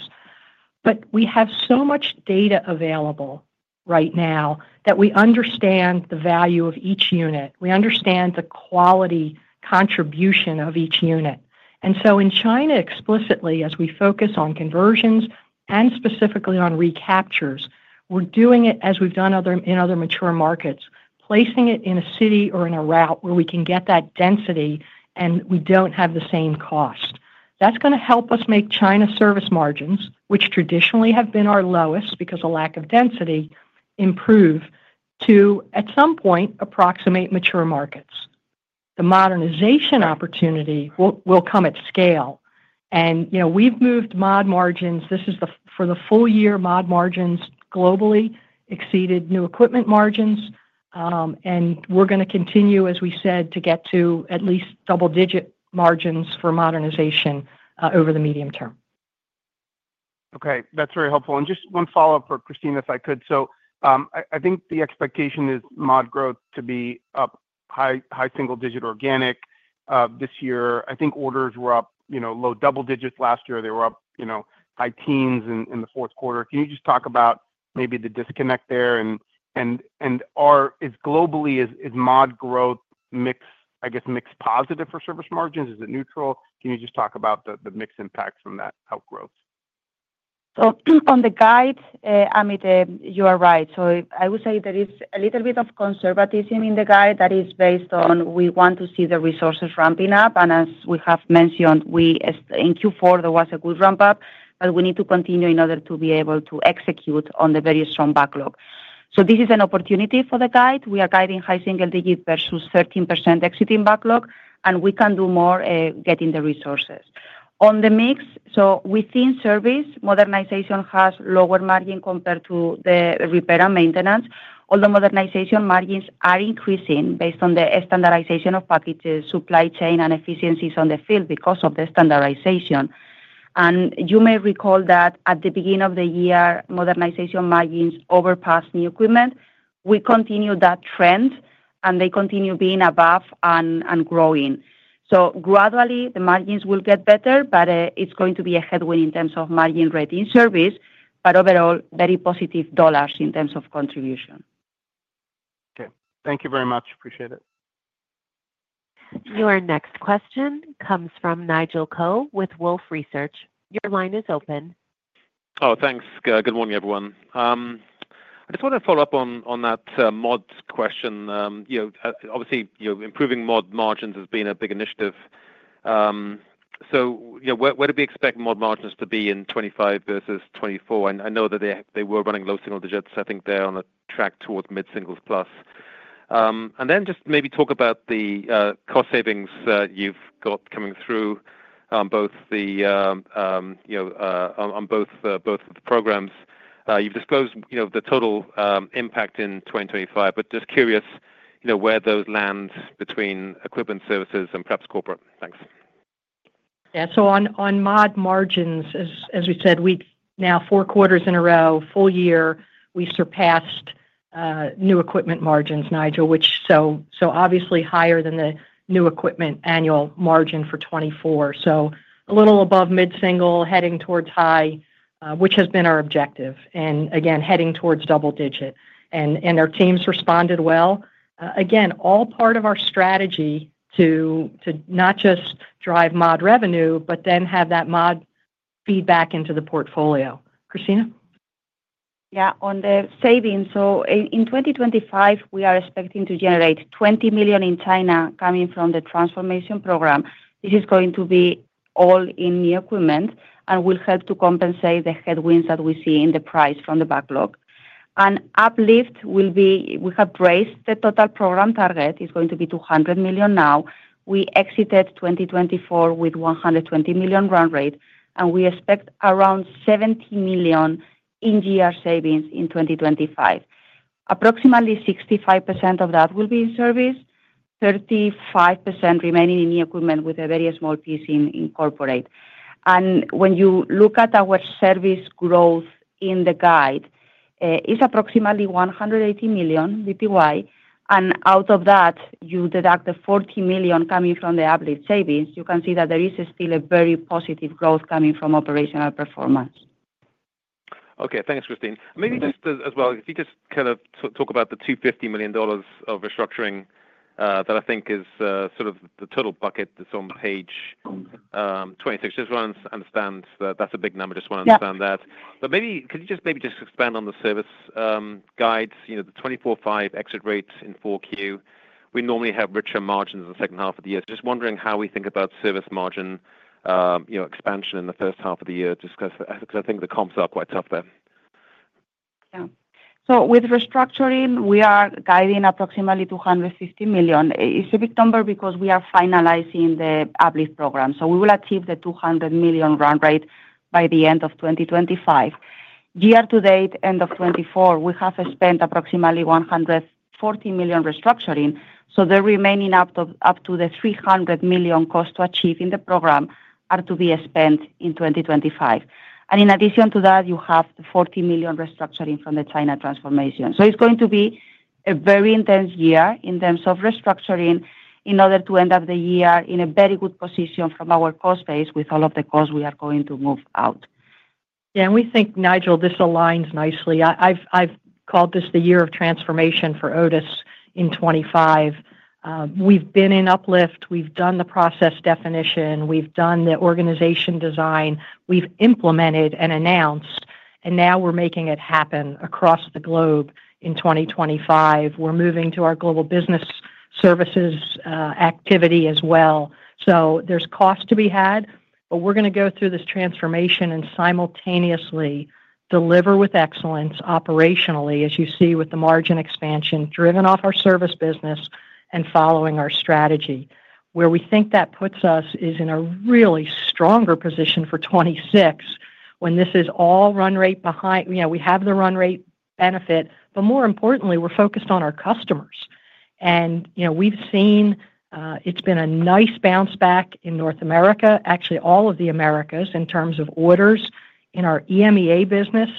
But we have so much data available right now that we understand the value of each unit. We understand the quality contribution of each unit. And so in China, explicitly, as we focus on conversions and specifically on recaptures, we're doing it as we've done in other mature markets, placing it in a city or in a route where we can get that density and we don't have the same cost. That's going to help us make China service margins, which traditionally have been our lowest because of lack of density, improve to, at some point, approximate mature markets. The modernization opportunity will come at scale. And we've moved mod margins. This is for the full year. Mod margins globally exceeded new equipment margins. And we're going to continue, as we said, to get to at least double-digit margins for modernization over the medium term. Okay. That's very helpful. And just one follow-up for Cristina, if I could. So I think the expectation is mod growth to be up high single-digit organic this year. I think orders were up low double digits last year. They were up high teens in the fourth quarter. Can you just talk about maybe the disconnect there? And globally, is mod growth, I guess, mix positive for service margins? Is it neutral? Can you just talk about the mix impact from that outgrowth? So on the guide, Amit, you are right. So I would say there is a little bit of conservatism in the guide that is based on, we want to see the resources ramping up. And as we have mentioned, in Q4, there was a good ramp-up, but we need to continue in order to be able to execute on the very strong backlog. So this is an opportunity for the guide. We are guiding high single-digit versus 13% exiting backlog, and we can do more getting the resources. On the mix, so within service, modernization has lower margin compared to the repair and maintenance. Although modernization margins are increasing based on the standardization of packages, supply chain, and efficiencies on the field because of the standardization. And you may recall that at the beginning of the year, modernization margins surpassed new equipment. We continue that trend, and they continue being above and growing. So gradually, the margins will get better, but it's going to be a headwind in terms of margin rate in service, but overall, very positive dollars in terms of contribution. Okay. Thank you very much. Appreciate it. Your next question comes from Nigel Coe with Wolfe Research. Your line is open. Oh, thanks. Good morning, everyone. I just want to follow up on that mod question. Obviously, improving mod margins has been a big initiative. So where do we expect mod margins to be in 2025 versus 2024? I know that they were running low single digits. I think they're on a track towards mid singles plus. And then just maybe talk about the cost savings you've got coming through both on both programs. You've disclosed the total impact in 2025, but just curious where those land between equipment services and perhaps corporate. Thanks. Yeah. So on mod margins, as we said, now four quarters in a row, full year, we surpassed new equipment margins, Nigel, which is obviously higher than the new equipment annual margin for 2024. So a little above mid single, heading towards high, which has been our objective. And again, heading towards double digit. And our teams responded well. Again, all part of our strategy to not just drive mod revenue, but then have that mod feedback into the portfolio. Cristina? Yeah. On the savings, so in 2025, we are expecting to generate $20 million in China coming from the transformation program. This is going to be all in new equipment and will help to compensate the headwinds that we see in the price from the backlog, and Uplift will be. We have raised the total program target. It's going to be $200 million now. We exited 2024 with $120 million run rate, and we expect around $70 million in year savings in 2025. Approximately 65% of that will be in service, 35% remaining in new equipment with a very small piece in corporate, and when you look at our service growth in the guide, it's approximately $180 million VPY. And out of that, you deduct the $40 million coming from the Uplift savings, you can see that there is still a very positive growth coming from operational performance. Okay. Thanks, Cristina. Maybe just as well, if you just kind of talk about the $250 million of restructuring that I think is sort of the total bucket that's on page 26. Just want to understand that that's a big number. Just want to understand that. But maybe could you just maybe just expand on the service margins? The 24/5 exit rate in 4Q, we normally have richer margins in the second half of the year. Just wondering how we think about service margin expansion in the first half of the year because I think the comps are quite tough there. Yeah. So with restructuring, we are guiding approximately $250 million. It's a big number because we are finalizing the Uplift program. So we will achieve the $200 million run rate by the end of 2025. Year to date, end of 2024, we have spent approximately $140 million restructuring. So the remaining up to the $300 million cost to achieve in the program are to be spent in 2025. And in addition to that, you have the $40 million restructuring from the China transformation. So it's going to be a very intense year in terms of restructuring in order to end up the year in a very good position from our cost base with all of the costs we are going to move out. Yeah, and we think, Nigel, this aligns nicely. I've called this the year of transformation for Otis in 2025. We've been in Uplift. We've done the process definition. We've done the organization design. We've implemented and announced, and now we're making it happen across the globe in 2025. We're moving to our global business services activity as well. So there's cost to be had, but we're going to go through this transformation and simultaneously deliver with excellence operationally, as you see with the margin expansion driven off our service business and following our strategy. Where we think that puts us is in a really stronger position for 2026 when this is all run rate behind. We have the run rate benefit, but more importantly, we're focused on our customers. And we've seen it's been a nice bounce back in North America, actually all of the Americas in terms of orders in our EMEA business.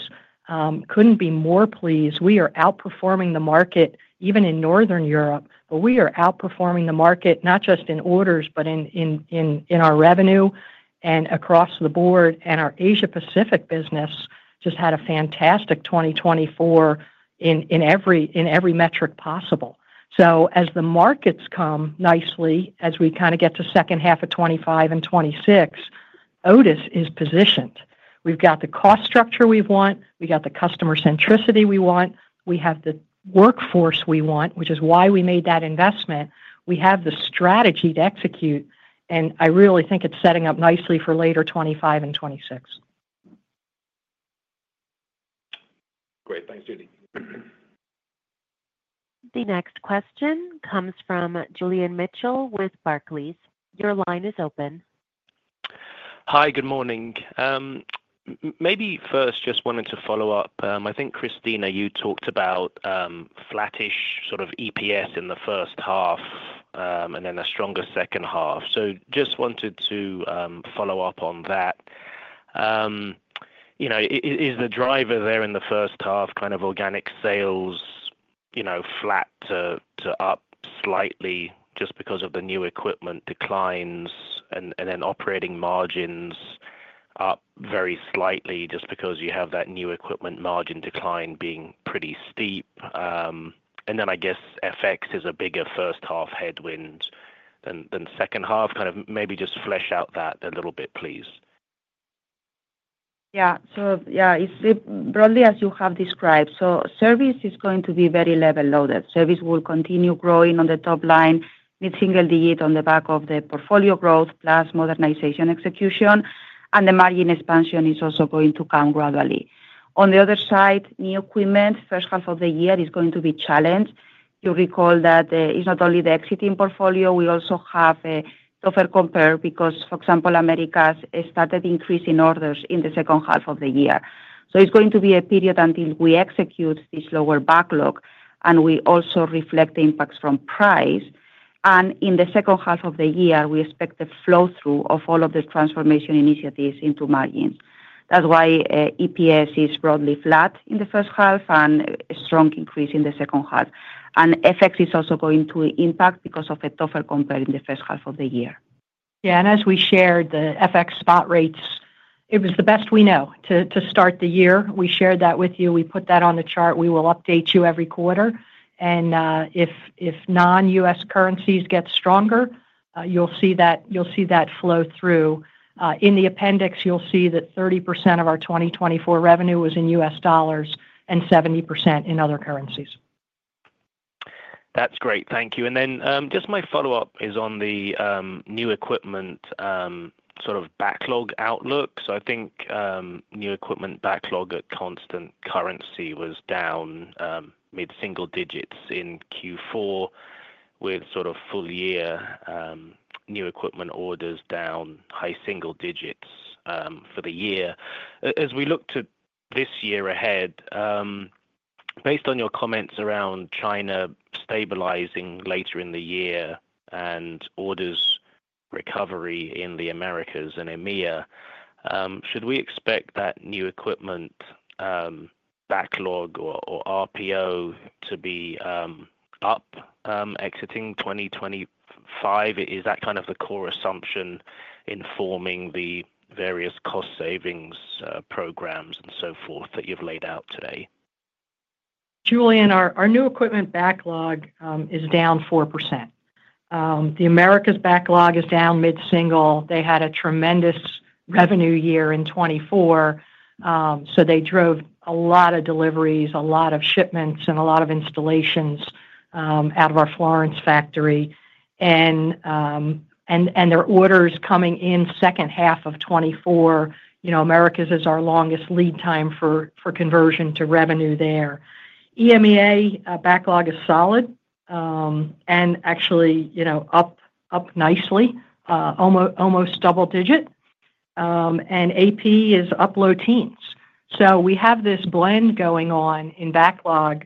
Couldn't be more pleased. We are outperforming the market even in Northern Europe, but we are outperforming the market not just in orders, but in our revenue and across the board. And our Asia-Pacific business just had a fantastic 2024 in every metric possible. So as the markets come nicely, as we kind of get to second half of 2025 and 2026, Otis is positioned. We've got the cost structure we want. We got the customer centricity we want. We have the workforce we want, which is why we made that investment. We have the strategy to execute. And I really think it's setting up nicely for later 2025 and 2026. Great. Thanks, Judy. The next question comes from Julian Mitchell with Barclays. Your line is open. Hi. Good morning. Maybe first, just wanted to follow up. I think, Cristina, you talked about flattish sort of EPS in the first half and then a stronger second half. So just wanted to follow up on that. Is the driver there in the first half kind of organic sales flat to up slightly just because of the new equipment declines and then operating margins up very slightly just because you have that new equipment margin decline being pretty steep? And then I guess FX is a bigger first half headwind than second half. Kind of maybe just flesh out that a little bit, please. Yeah. So yeah, it's broadly as you have described. So service is going to be very level loaded. Service will continue growing on the top line, mid single digit on the back of the portfolio growth, plus modernization execution. And the margin expansion is also going to come gradually. On the other side, new equipment, first half of the year is going to be challenged. You recall that it's not only the existing portfolio. We also have tougher comps because, for example, Americas started increasing orders in the second half of the year. So it's going to be a period until we execute this lower backlog, and we also reflect the impacts from price. And in the second half of the year, we expect the flow-through of all of the transformation initiatives into margins. That's why EPS is broadly flat in the first half and a strong increase in the second half, and FX is also going to impact because of a tougher compare in the first half of the year. Yeah. And as we shared the FX spot rates, it was the best we know to start the year. We shared that with you. We put that on the chart. We will update you every quarter. And if non-US currencies get stronger, you'll see that flow through. In the appendix, you'll see that 30% of our 2024 revenue was in US dollars and 70% in other currencies. That's great. Thank you. And then just my follow-up is on the new equipment sort of backlog outlook. So I think new equipment backlog at constant currency was down mid-single digits in Q4, with sort of full-year new equipment orders down high-single digits for the year. As we look to this year ahead, based on your comments around China stabilizing later in the year and orders recovery in the Americas and EMEA, should we expect that new equipment backlog or RPO to be up exiting 2025? Is that kind of the core assumption informing the various cost savings programs and so forth that you've laid out today? Julian, our new equipment backlog is down 4%. The Americas backlog is down mid-single. They had a tremendous revenue year in 2024. So they drove a lot of deliveries, a lot of shipments, and a lot of installations out of our Florence factory. And their orders coming in second half of 2024, Americas is our longest lead time for conversion to revenue there. EMEA backlog is solid and actually up nicely, almost double-digit. And AP is up low-teens. So we have this blend going on in backlog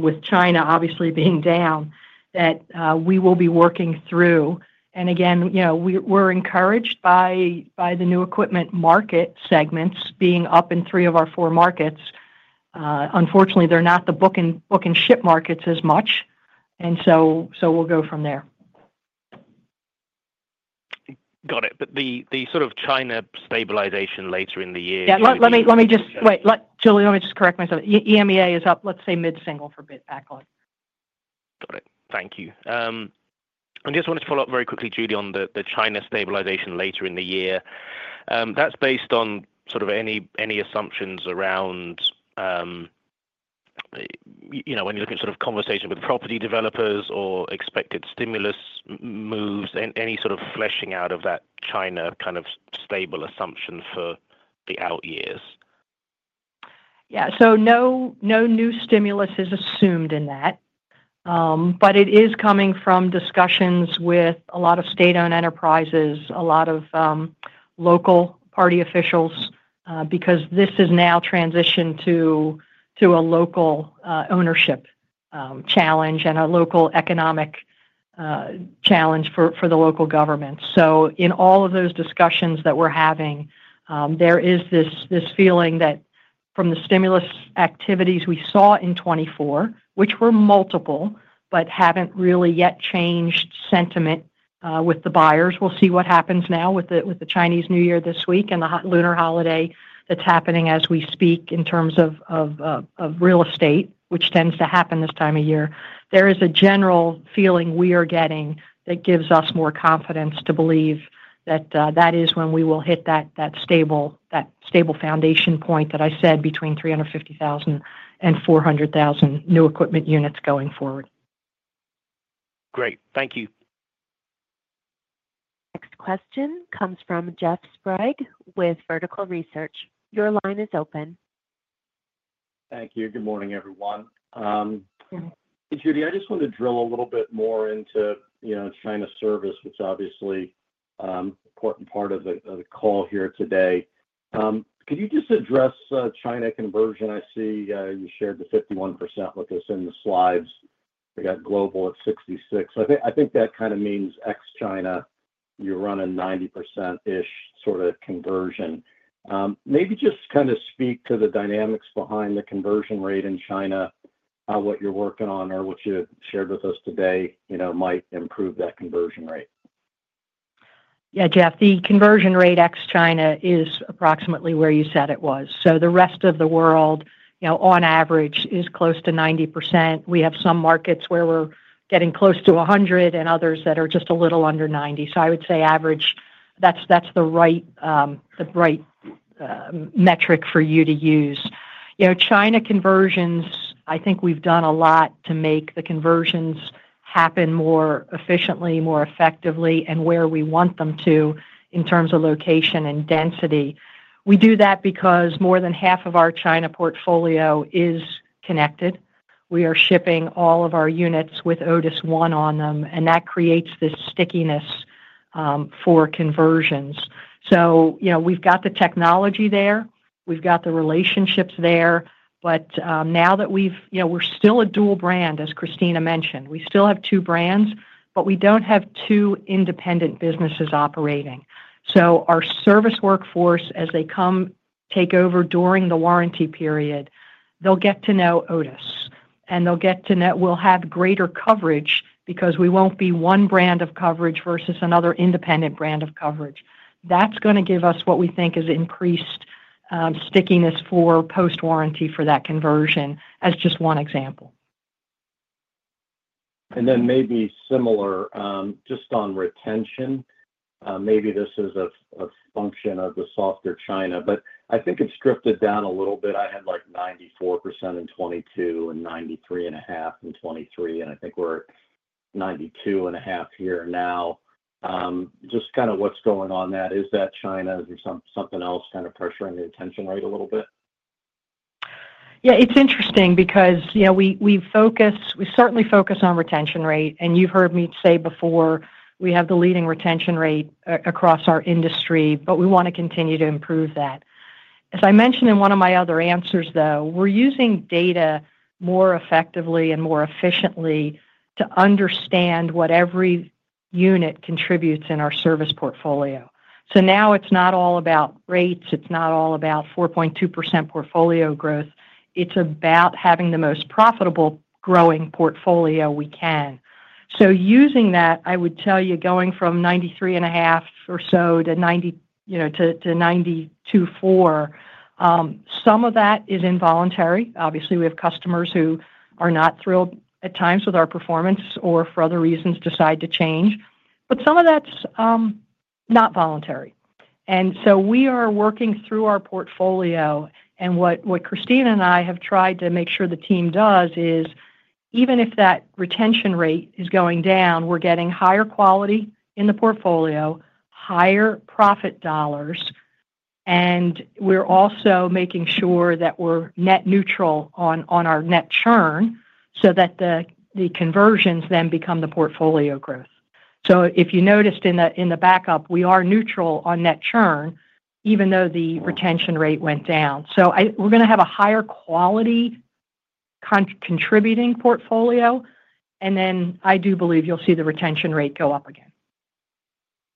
with China obviously being down that we will be working through. And again, we're encouraged by the new equipment market segments being up in three of our four markets. Unfortunately, they're not the book and ship markets as much. And so we'll go from there. Got it, but the sort of China stabilization later in the year. Yeah. Let me just wait. Julian, let me just correct myself. EMEA is up, let's say, mid single for backlog. Got it. Thank you. I just wanted to follow up very quickly, Julian, on the China stabilization later in the year. That's based on sort of any assumptions around when you're looking at sort of conversation with property developers or expected stimulus moves, any sort of fleshing out of that China kind of stable assumption for the out years? Yeah. So no new stimulus is assumed in that, but it is coming from discussions with a lot of state-owned enterprises, a lot of local party officials, because this is now transitioned to a local ownership challenge and a local economic challenge for the local government. So in all of those discussions that we're having, there is this feeling that from the stimulus activities we saw in 2024, which were multiple but haven't really yet changed sentiment with the buyers. We'll see what happens now with the Chinese New Year this week and the lunar holiday that's happening as we speak in terms of real estate, which tends to happen this time of year. There is a general feeling we are getting that gives us more confidence to believe that that is when we will hit that stable foundation point that I said between 350,000 and 400,000 new equipment units going forward. Great. Thank you. Next question comes from Jeff Sprague with Vertical Research. Your line is open. Thank you. Good morning, everyone. Judy, I just want to drill a little bit more into China service, which is obviously an important part of the call here today. Could you just address China conversion? I see you shared the 51% with us in the slides. We got global at 66%. I think that kind of means ex-China, you're running 90%-ish sort of conversion. Maybe just kind of speak to the dynamics behind the conversion rate in China, what you're working on, or what you shared with us today might improve that conversion rate. Yeah, Jeff, the conversion rate ex-China is approximately where you said it was. So the rest of the world, on average, is close to 90%. We have some markets where we're getting close to 100% and others that are just a little under 90%. So I would say average, that's the right metric for you to use. China conversions, I think we've done a lot to make the conversions happen more efficiently, more effectively, and where we want them to in terms of location and density. We do that because more than half of our China portfolio is connected. We are shipping all of our units with Otis ONE on them, and that creates this stickiness for conversions. So we've got the technology there. We've got the relationships there. But now that we're still a dual brand, as Cristina mentioned, we still have two brands, but we don't have two independent businesses operating. So our service workforce, as they come take over during the warranty period, they'll get to know Otis, and they'll get to know we'll have greater coverage because we won't be one brand of coverage versus another independent brand of coverage. That's going to give us what we think is increased stickiness for post-warranty for that conversion, as just one example. And then maybe similar, just on retention, maybe this is a function of the softer China, but I think it's drifted down a little bit. I had like 94% in 2022 and 93.5% in 2023, and I think we're 92.5% here now. Just kind of what's going on that. Is that China or something else kind of pressuring the retention rate a little bit? Yeah. It's interesting because we certainly focus on retention rate, and you've heard me say before we have the leading retention rate across our industry, but we want to continue to improve that. As I mentioned in one of my other answers, though, we're using data more effectively and more efficiently to understand what every unit contributes in our service portfolio. So now it's not all about rates. It's not all about 4.2% portfolio growth. It's about having the most profitable growing portfolio we can. So using that, I would tell you, going from 93.5% or so to 92.4%, some of that is involuntary. Obviously, we have customers who are not thrilled at times with our performance or for other reasons decide to change. But some of that's not voluntary. We are working through our portfolio, and what Cristina and I have tried to make sure the team does is even if that retention rate is going down, we're getting higher quality in the portfolio, higher profit dollars, and we're also making sure that we're net neutral on our net churn so that the conversions then become the portfolio growth. So if you noticed in the backup, we are neutral on net churn even though the retention rate went down. So we're going to have a higher quality contributing portfolio, and then I do believe you'll see the retention rate go up again.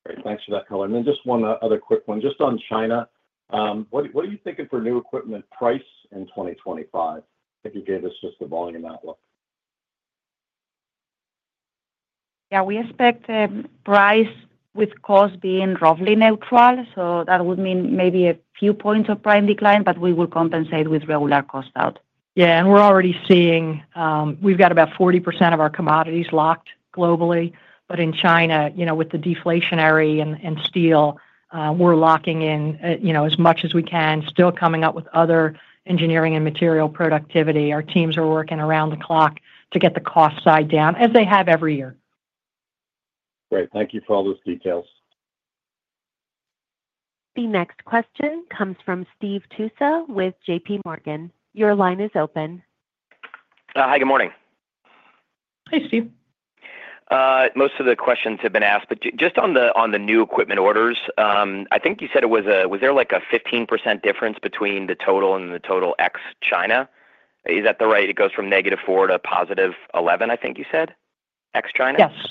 Great. Thanks for that, Colin. And then just one other quick one. Just on China, what are you thinking for new equipment price in 2025 if you gave us just the volume outlook? Yeah. We expect price with cost being roughly neutral. So that would mean maybe a few points of price decline, but we will compensate with regular cost out. Yeah, and we're already seeing we've got about 40% of our commodities locked globally. But in China, with the deflationary and steel, we're locking in as much as we can, still coming up with other engineering and material productivity. Our teams are working around the clock to get the cost side down, as they have every year. Great. Thank you for all those details. The next question comes from Steve Tusa with JPMorgan. Your line is open. Hi. Good morning. Hi, Steve. Most of the questions have been asked, but just on the new equipment orders, I think you said it was there like a 15% difference between the total and the total ex-China. Is that right? It goes from negative 4% to positive 11%, I think you said, ex-China? Yes. Yes.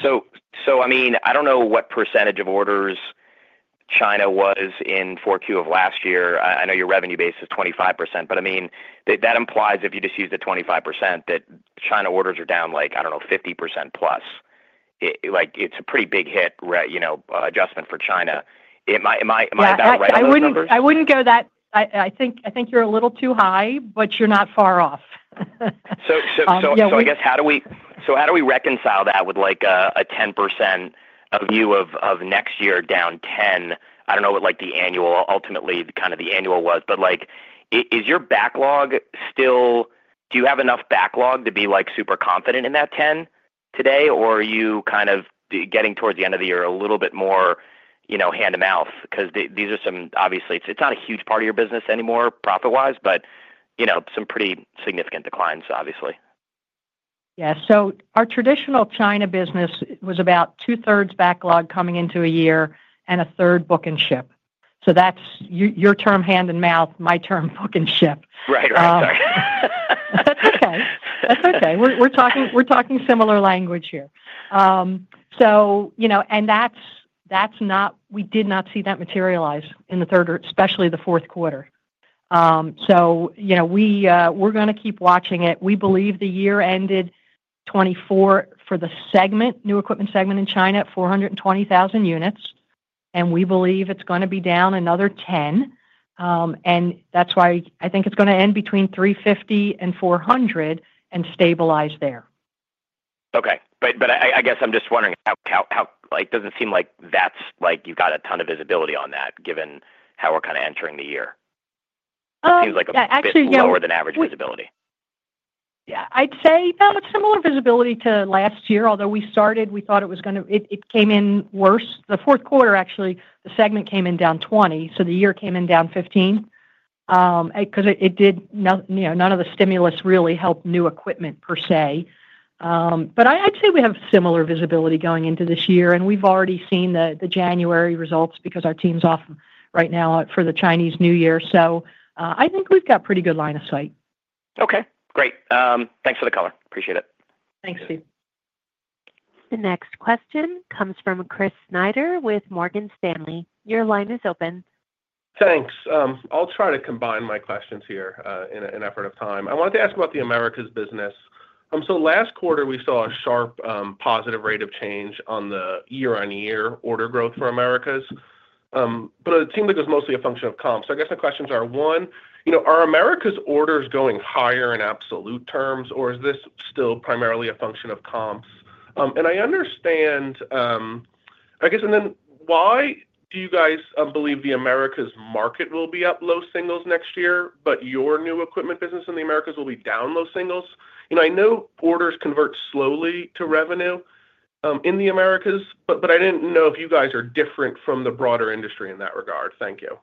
So I mean, I don't know what percentage of orders China was in 4Q of last year. I know your revenue base is 25%, but I mean, that implies if you just use the 25% that China orders are down like, I don't know, 50% plus. It's a pretty big hit adjustment for China. Am I about right on the numbers? I wouldn't go that. I think you're a little too high, but you're not far off. So, I guess how do we reconcile that with a 10% view of next year down 10%? I don't know what the annual ultimately was, but is your backlog still? Do you have enough backlog to be super confident in that 10% today, or are you kind of getting towards the end of the year a little bit more hand-to-mouth? Because these are some obviously. It's not a huge part of your business anymore, profit-wise, but some pretty significant declines, obviously. Yeah, so our traditional China business was about two-thirds backlog coming into a year and a third book and ship, so that's your term hand-to-mouth, my term book and ship. Right. Right. Sorry. That's okay. That's okay. We're talking similar language here. And we did not see that materialize in the third, especially the fourth quarter. So we're going to keep watching it. We believe the year ended 2024 for the new equipment segment in China at 420,000 units, and we believe it's going to be down another 10%. And that's why I think it's going to end between 350 and 400 and stabilize there. Okay. But I guess I'm just wondering, does it seem like you've got a ton of visibility on that given how we're kind of entering the year? It seems like a bit lower than average visibility. Yeah. I'd say no, it's similar visibility to last year, although we started, we thought it was going to it came in worse. The fourth quarter, actually, the segment came in down 20%. So the year came in down 15% because none of the stimulus really helped new equipment per se, but I'd say we have similar visibility going into this year, and we've already seen the January results because our team's off right now for the Chinese New Year, so I think we've got pretty good line of sight. Okay. Great. Thanks for the color. Appreciate it. Thanks, Steve. The next question comes from Chris Snyder with Morgan Stanley. Your line is open. Thanks. I'll try to combine my questions here in an effort of time. I wanted to ask about the Americas business. So last quarter, we saw a sharp positive rate of change on the year-on-year order growth for Americas. But it seemed like it was mostly a function of comps. So I guess my questions are, one, are America's orders going higher in absolute terms, or is this still primarily a function of comps? And I understand, I guess, and then why do you guys believe the Americas market will be up low singles next year, but your new equipment business in the Americas will be down low singles? I know orders convert slowly to revenue in the Americas, but I didn't know if you guys are different from the broader industry in that regard. Thank you.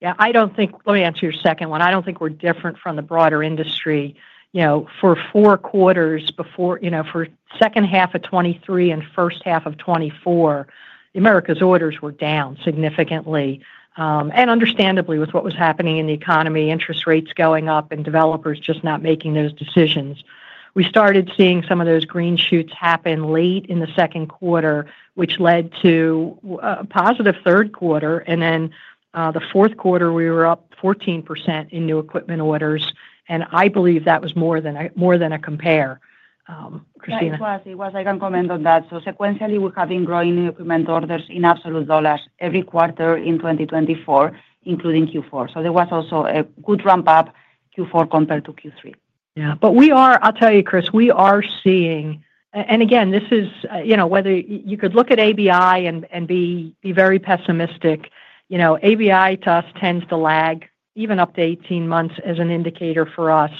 Yeah. Let me answer your second one. I don't think we're different from the broader industry. For four quarters before for second half of 2023 and first half of 2024, Americas orders were down significantly. And understandably, with what was happening in the economy, interest rates going up and developers just not making those decisions, we started seeing some of those green shoots happen late in the second quarter, which led to a positive third quarter. And then the fourth quarter, we were up 14% in new equipment orders, and I believe that was more than a compare, Cristina. Yeah. I was. I can comment on that. So sequentially, we have been growing new equipment orders in absolute dollars every quarter in 2024, including Q4. So there was also a good ramp-up Q4 compared to Q3. Yeah. But I'll tell you, Chris, we are seeing and again, this is whether you could look at ABI and be very pessimistic. ABI to us tends to lag even up to 18 months as an indicator for us.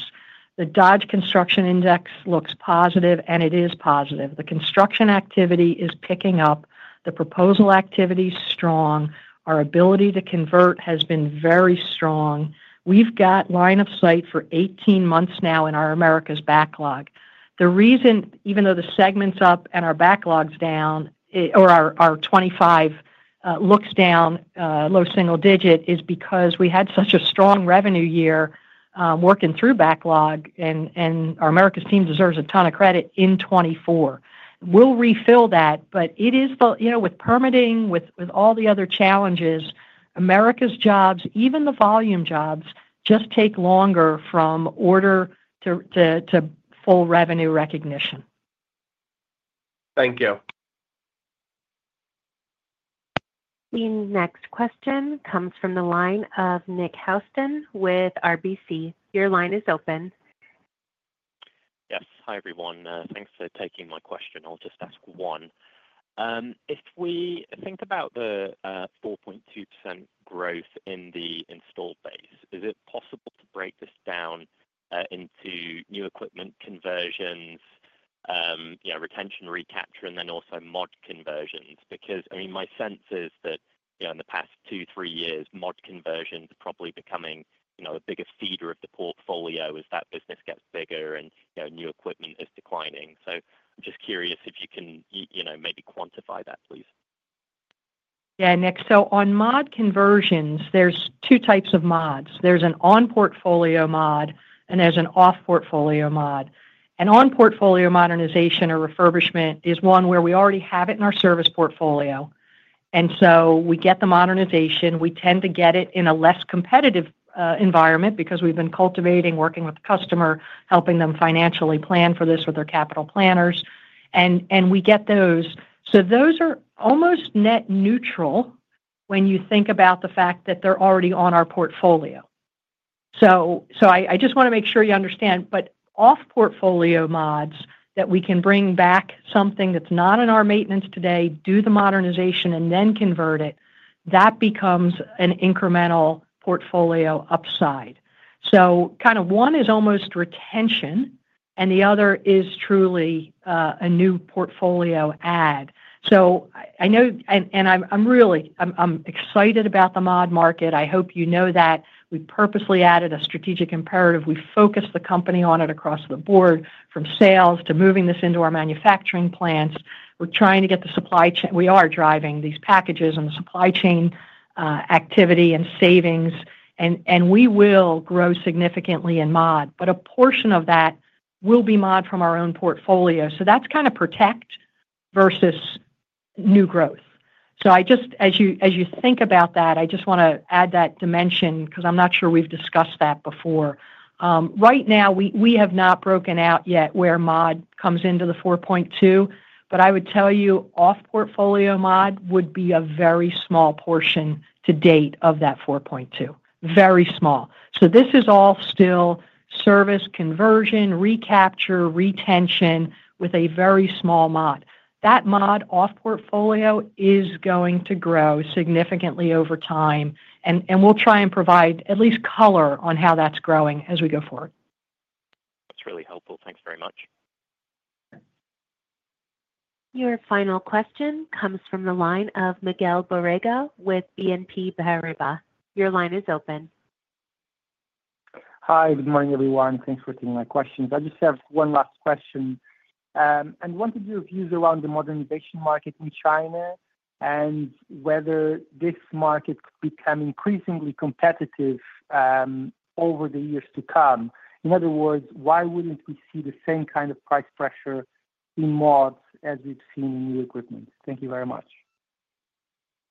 The Dodge Construction Index looks positive, and it is positive. The construction activity is picking up. The proposal activity is strong. Our ability to convert has been very strong. We've got line of sight for 18 months now in our Americas backlog. The reason, even though the segment's up and our backlog's down or our 2025 looks down low single digit, is because we had such a strong revenue year working through backlog, and our Americas team deserves a ton of credit in 2024. We'll refill that, but it is with permitting, with all the other challenges, Americas jobs, even the volume jobs, just take longer from order to full revenue recognition. Thank you. The next question comes from the line of Nick Housden with RBC. Your line is open. Yes. Hi, everyone. Thanks for taking my question. I'll just ask one. If we think about the 4.2% growth in the installed base, is it possible to break this down into new equipment conversions, retention recapture, and then also mod conversions? Because I mean, my sense is that in the past two, three years, mod conversions are probably becoming a bigger feeder of the portfolio as that business gets bigger and new equipment is declining. So I'm just curious if you can maybe quantify that, please? Yeah, Nick. So on mod conversions, there's two types of mods. There's an on-portfolio mod, and there's an off-portfolio mod. An on-portfolio modernization or refurbishment is one where we already have it in our service portfolio. And so we get the modernization. We tend to get it in a less competitive environment because we've been cultivating, working with the customer, helping them financially plan for this with our capital planners. And we get those. So those are almost net neutral when you think about the fact that they're already on our portfolio. So I just want to make sure you understand. But off-portfolio mods that we can bring back something that's not in our maintenance today, do the modernization, and then convert it, that becomes an incremental portfolio upside. So kind of one is almost retention, and the other is truly a new portfolio add. So I know, and I'm excited about the mod market. I hope you know that. We purposely added a strategic imperative. We focused the company on it across the board, from sales to moving this into our manufacturing plants. We're trying to get the supply chain. We are driving these packages and the supply chain activity and savings. And we will grow significantly in mod, but a portion of that will be mod from our own portfolio. So that's kind of protect versus new growth. So as you think about that, I just want to add that dimension because I'm not sure we've discussed that before. Right now, we have not broken out yet where mod comes into the 4.2, but I would tell you off-portfolio mod would be a very small portion to date of that 4.2. Very small. So this is all still service conversion, recapture, retention with a very small mod. That mod off-portfolio is going to grow significantly over time, and we'll try and provide at least color on how that's growing as we go forward. That's really helpful. Thanks very much. Your final question comes from the line of Miguel Borrega with BNP Paribas. Your line is open. Hi. Good morning, everyone. Thanks for taking my questions. I just have one last question, and one to do with views around the modernization market in China and whether this market could become increasingly competitive over the years to come. In other words, why wouldn't we see the same kind of price pressure in mods as we've seen in new equipment? Thank you very much.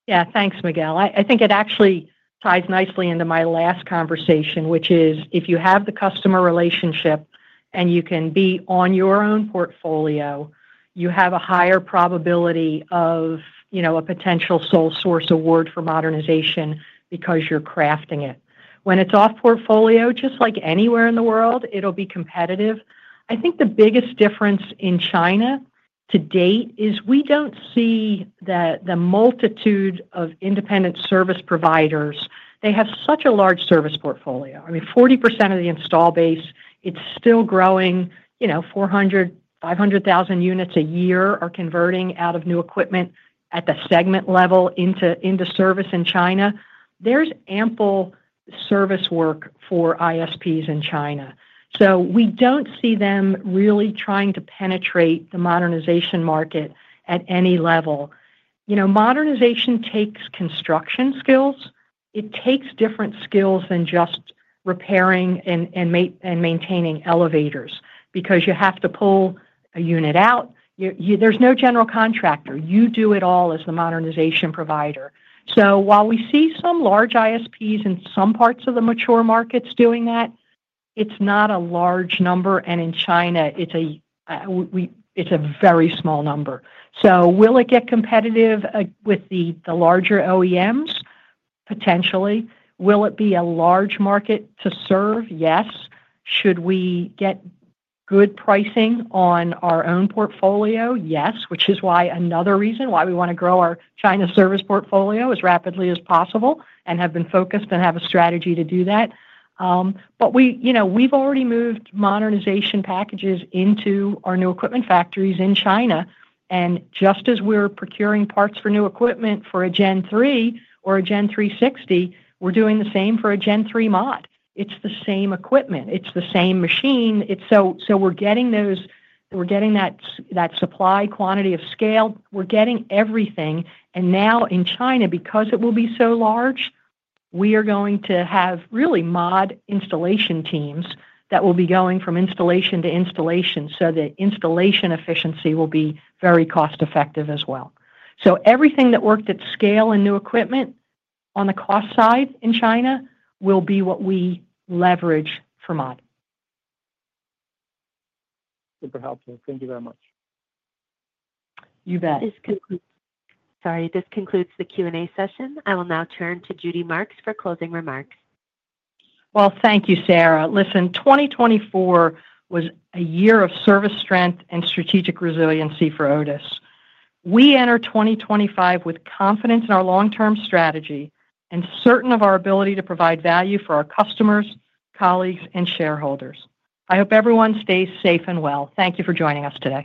Yeah. Thanks, Miguel. I think it actually ties nicely into my last conversation, which is if you have the customer relationship and you can be on your own portfolio, you have a higher probability of a potential sole source award for modernization because you're crafting it. When it's off-portfolio, just like anywhere in the world, it'll be competitive. I think the biggest difference in China to date is we don't see the multitude of independent service providers. They have such a large service portfolio. I mean, 40% of the install base, it's still growing. 400,000-500,000 units a year are converting out of new equipment at the segment level into service in China. There's ample service work for ISPs in China. So we don't see them really trying to penetrate the modernization market at any level. Modernization takes construction skills. It takes different skills than just repairing and maintaining elevators because you have to pull a unit out. There's no general contractor. You do it all as the modernization provider. So while we see some large ISPs in some parts of the mature markets doing that, it's not a large number. And in China, it's a very small number. So will it get competitive with the larger OEMs? Potentially. Will it be a large market to serve? Yes. Should we get good pricing on our own portfolio? Yes. Which is why another reason why we want to grow our China service portfolio as rapidly as possible and have been focused and have a strategy to do that. But we've already moved modernization packages into our new equipment factories in China. And just as we're procuring parts for new equipment for a Gen3 or a Gen360, we're doing the same for a Gen3 mod. It's the same equipment. It's the same machine. So we're getting that supply quantity of scale. We're getting everything. And now in China, because it will be so large, we are going to have really mod installation teams that will be going from installation to installation so that installation efficiency will be very cost-effective as well. So everything that worked at scale and new equipment on the cost side in China will be what we leverage for mod. Super helpful. Thank you very much. You bet. Sorry. This concludes the Q&A session. I will now turn to Judy Marks for closing remarks. Thank you, Sarah. Listen, 2024 was a year of service strength and strategic resiliency for Otis. We enter 2025 with confidence in our long-term strategy and certain of our ability to provide value for our customers, colleagues, and shareholders. I hope everyone stays safe and well. Thank you for joining us today.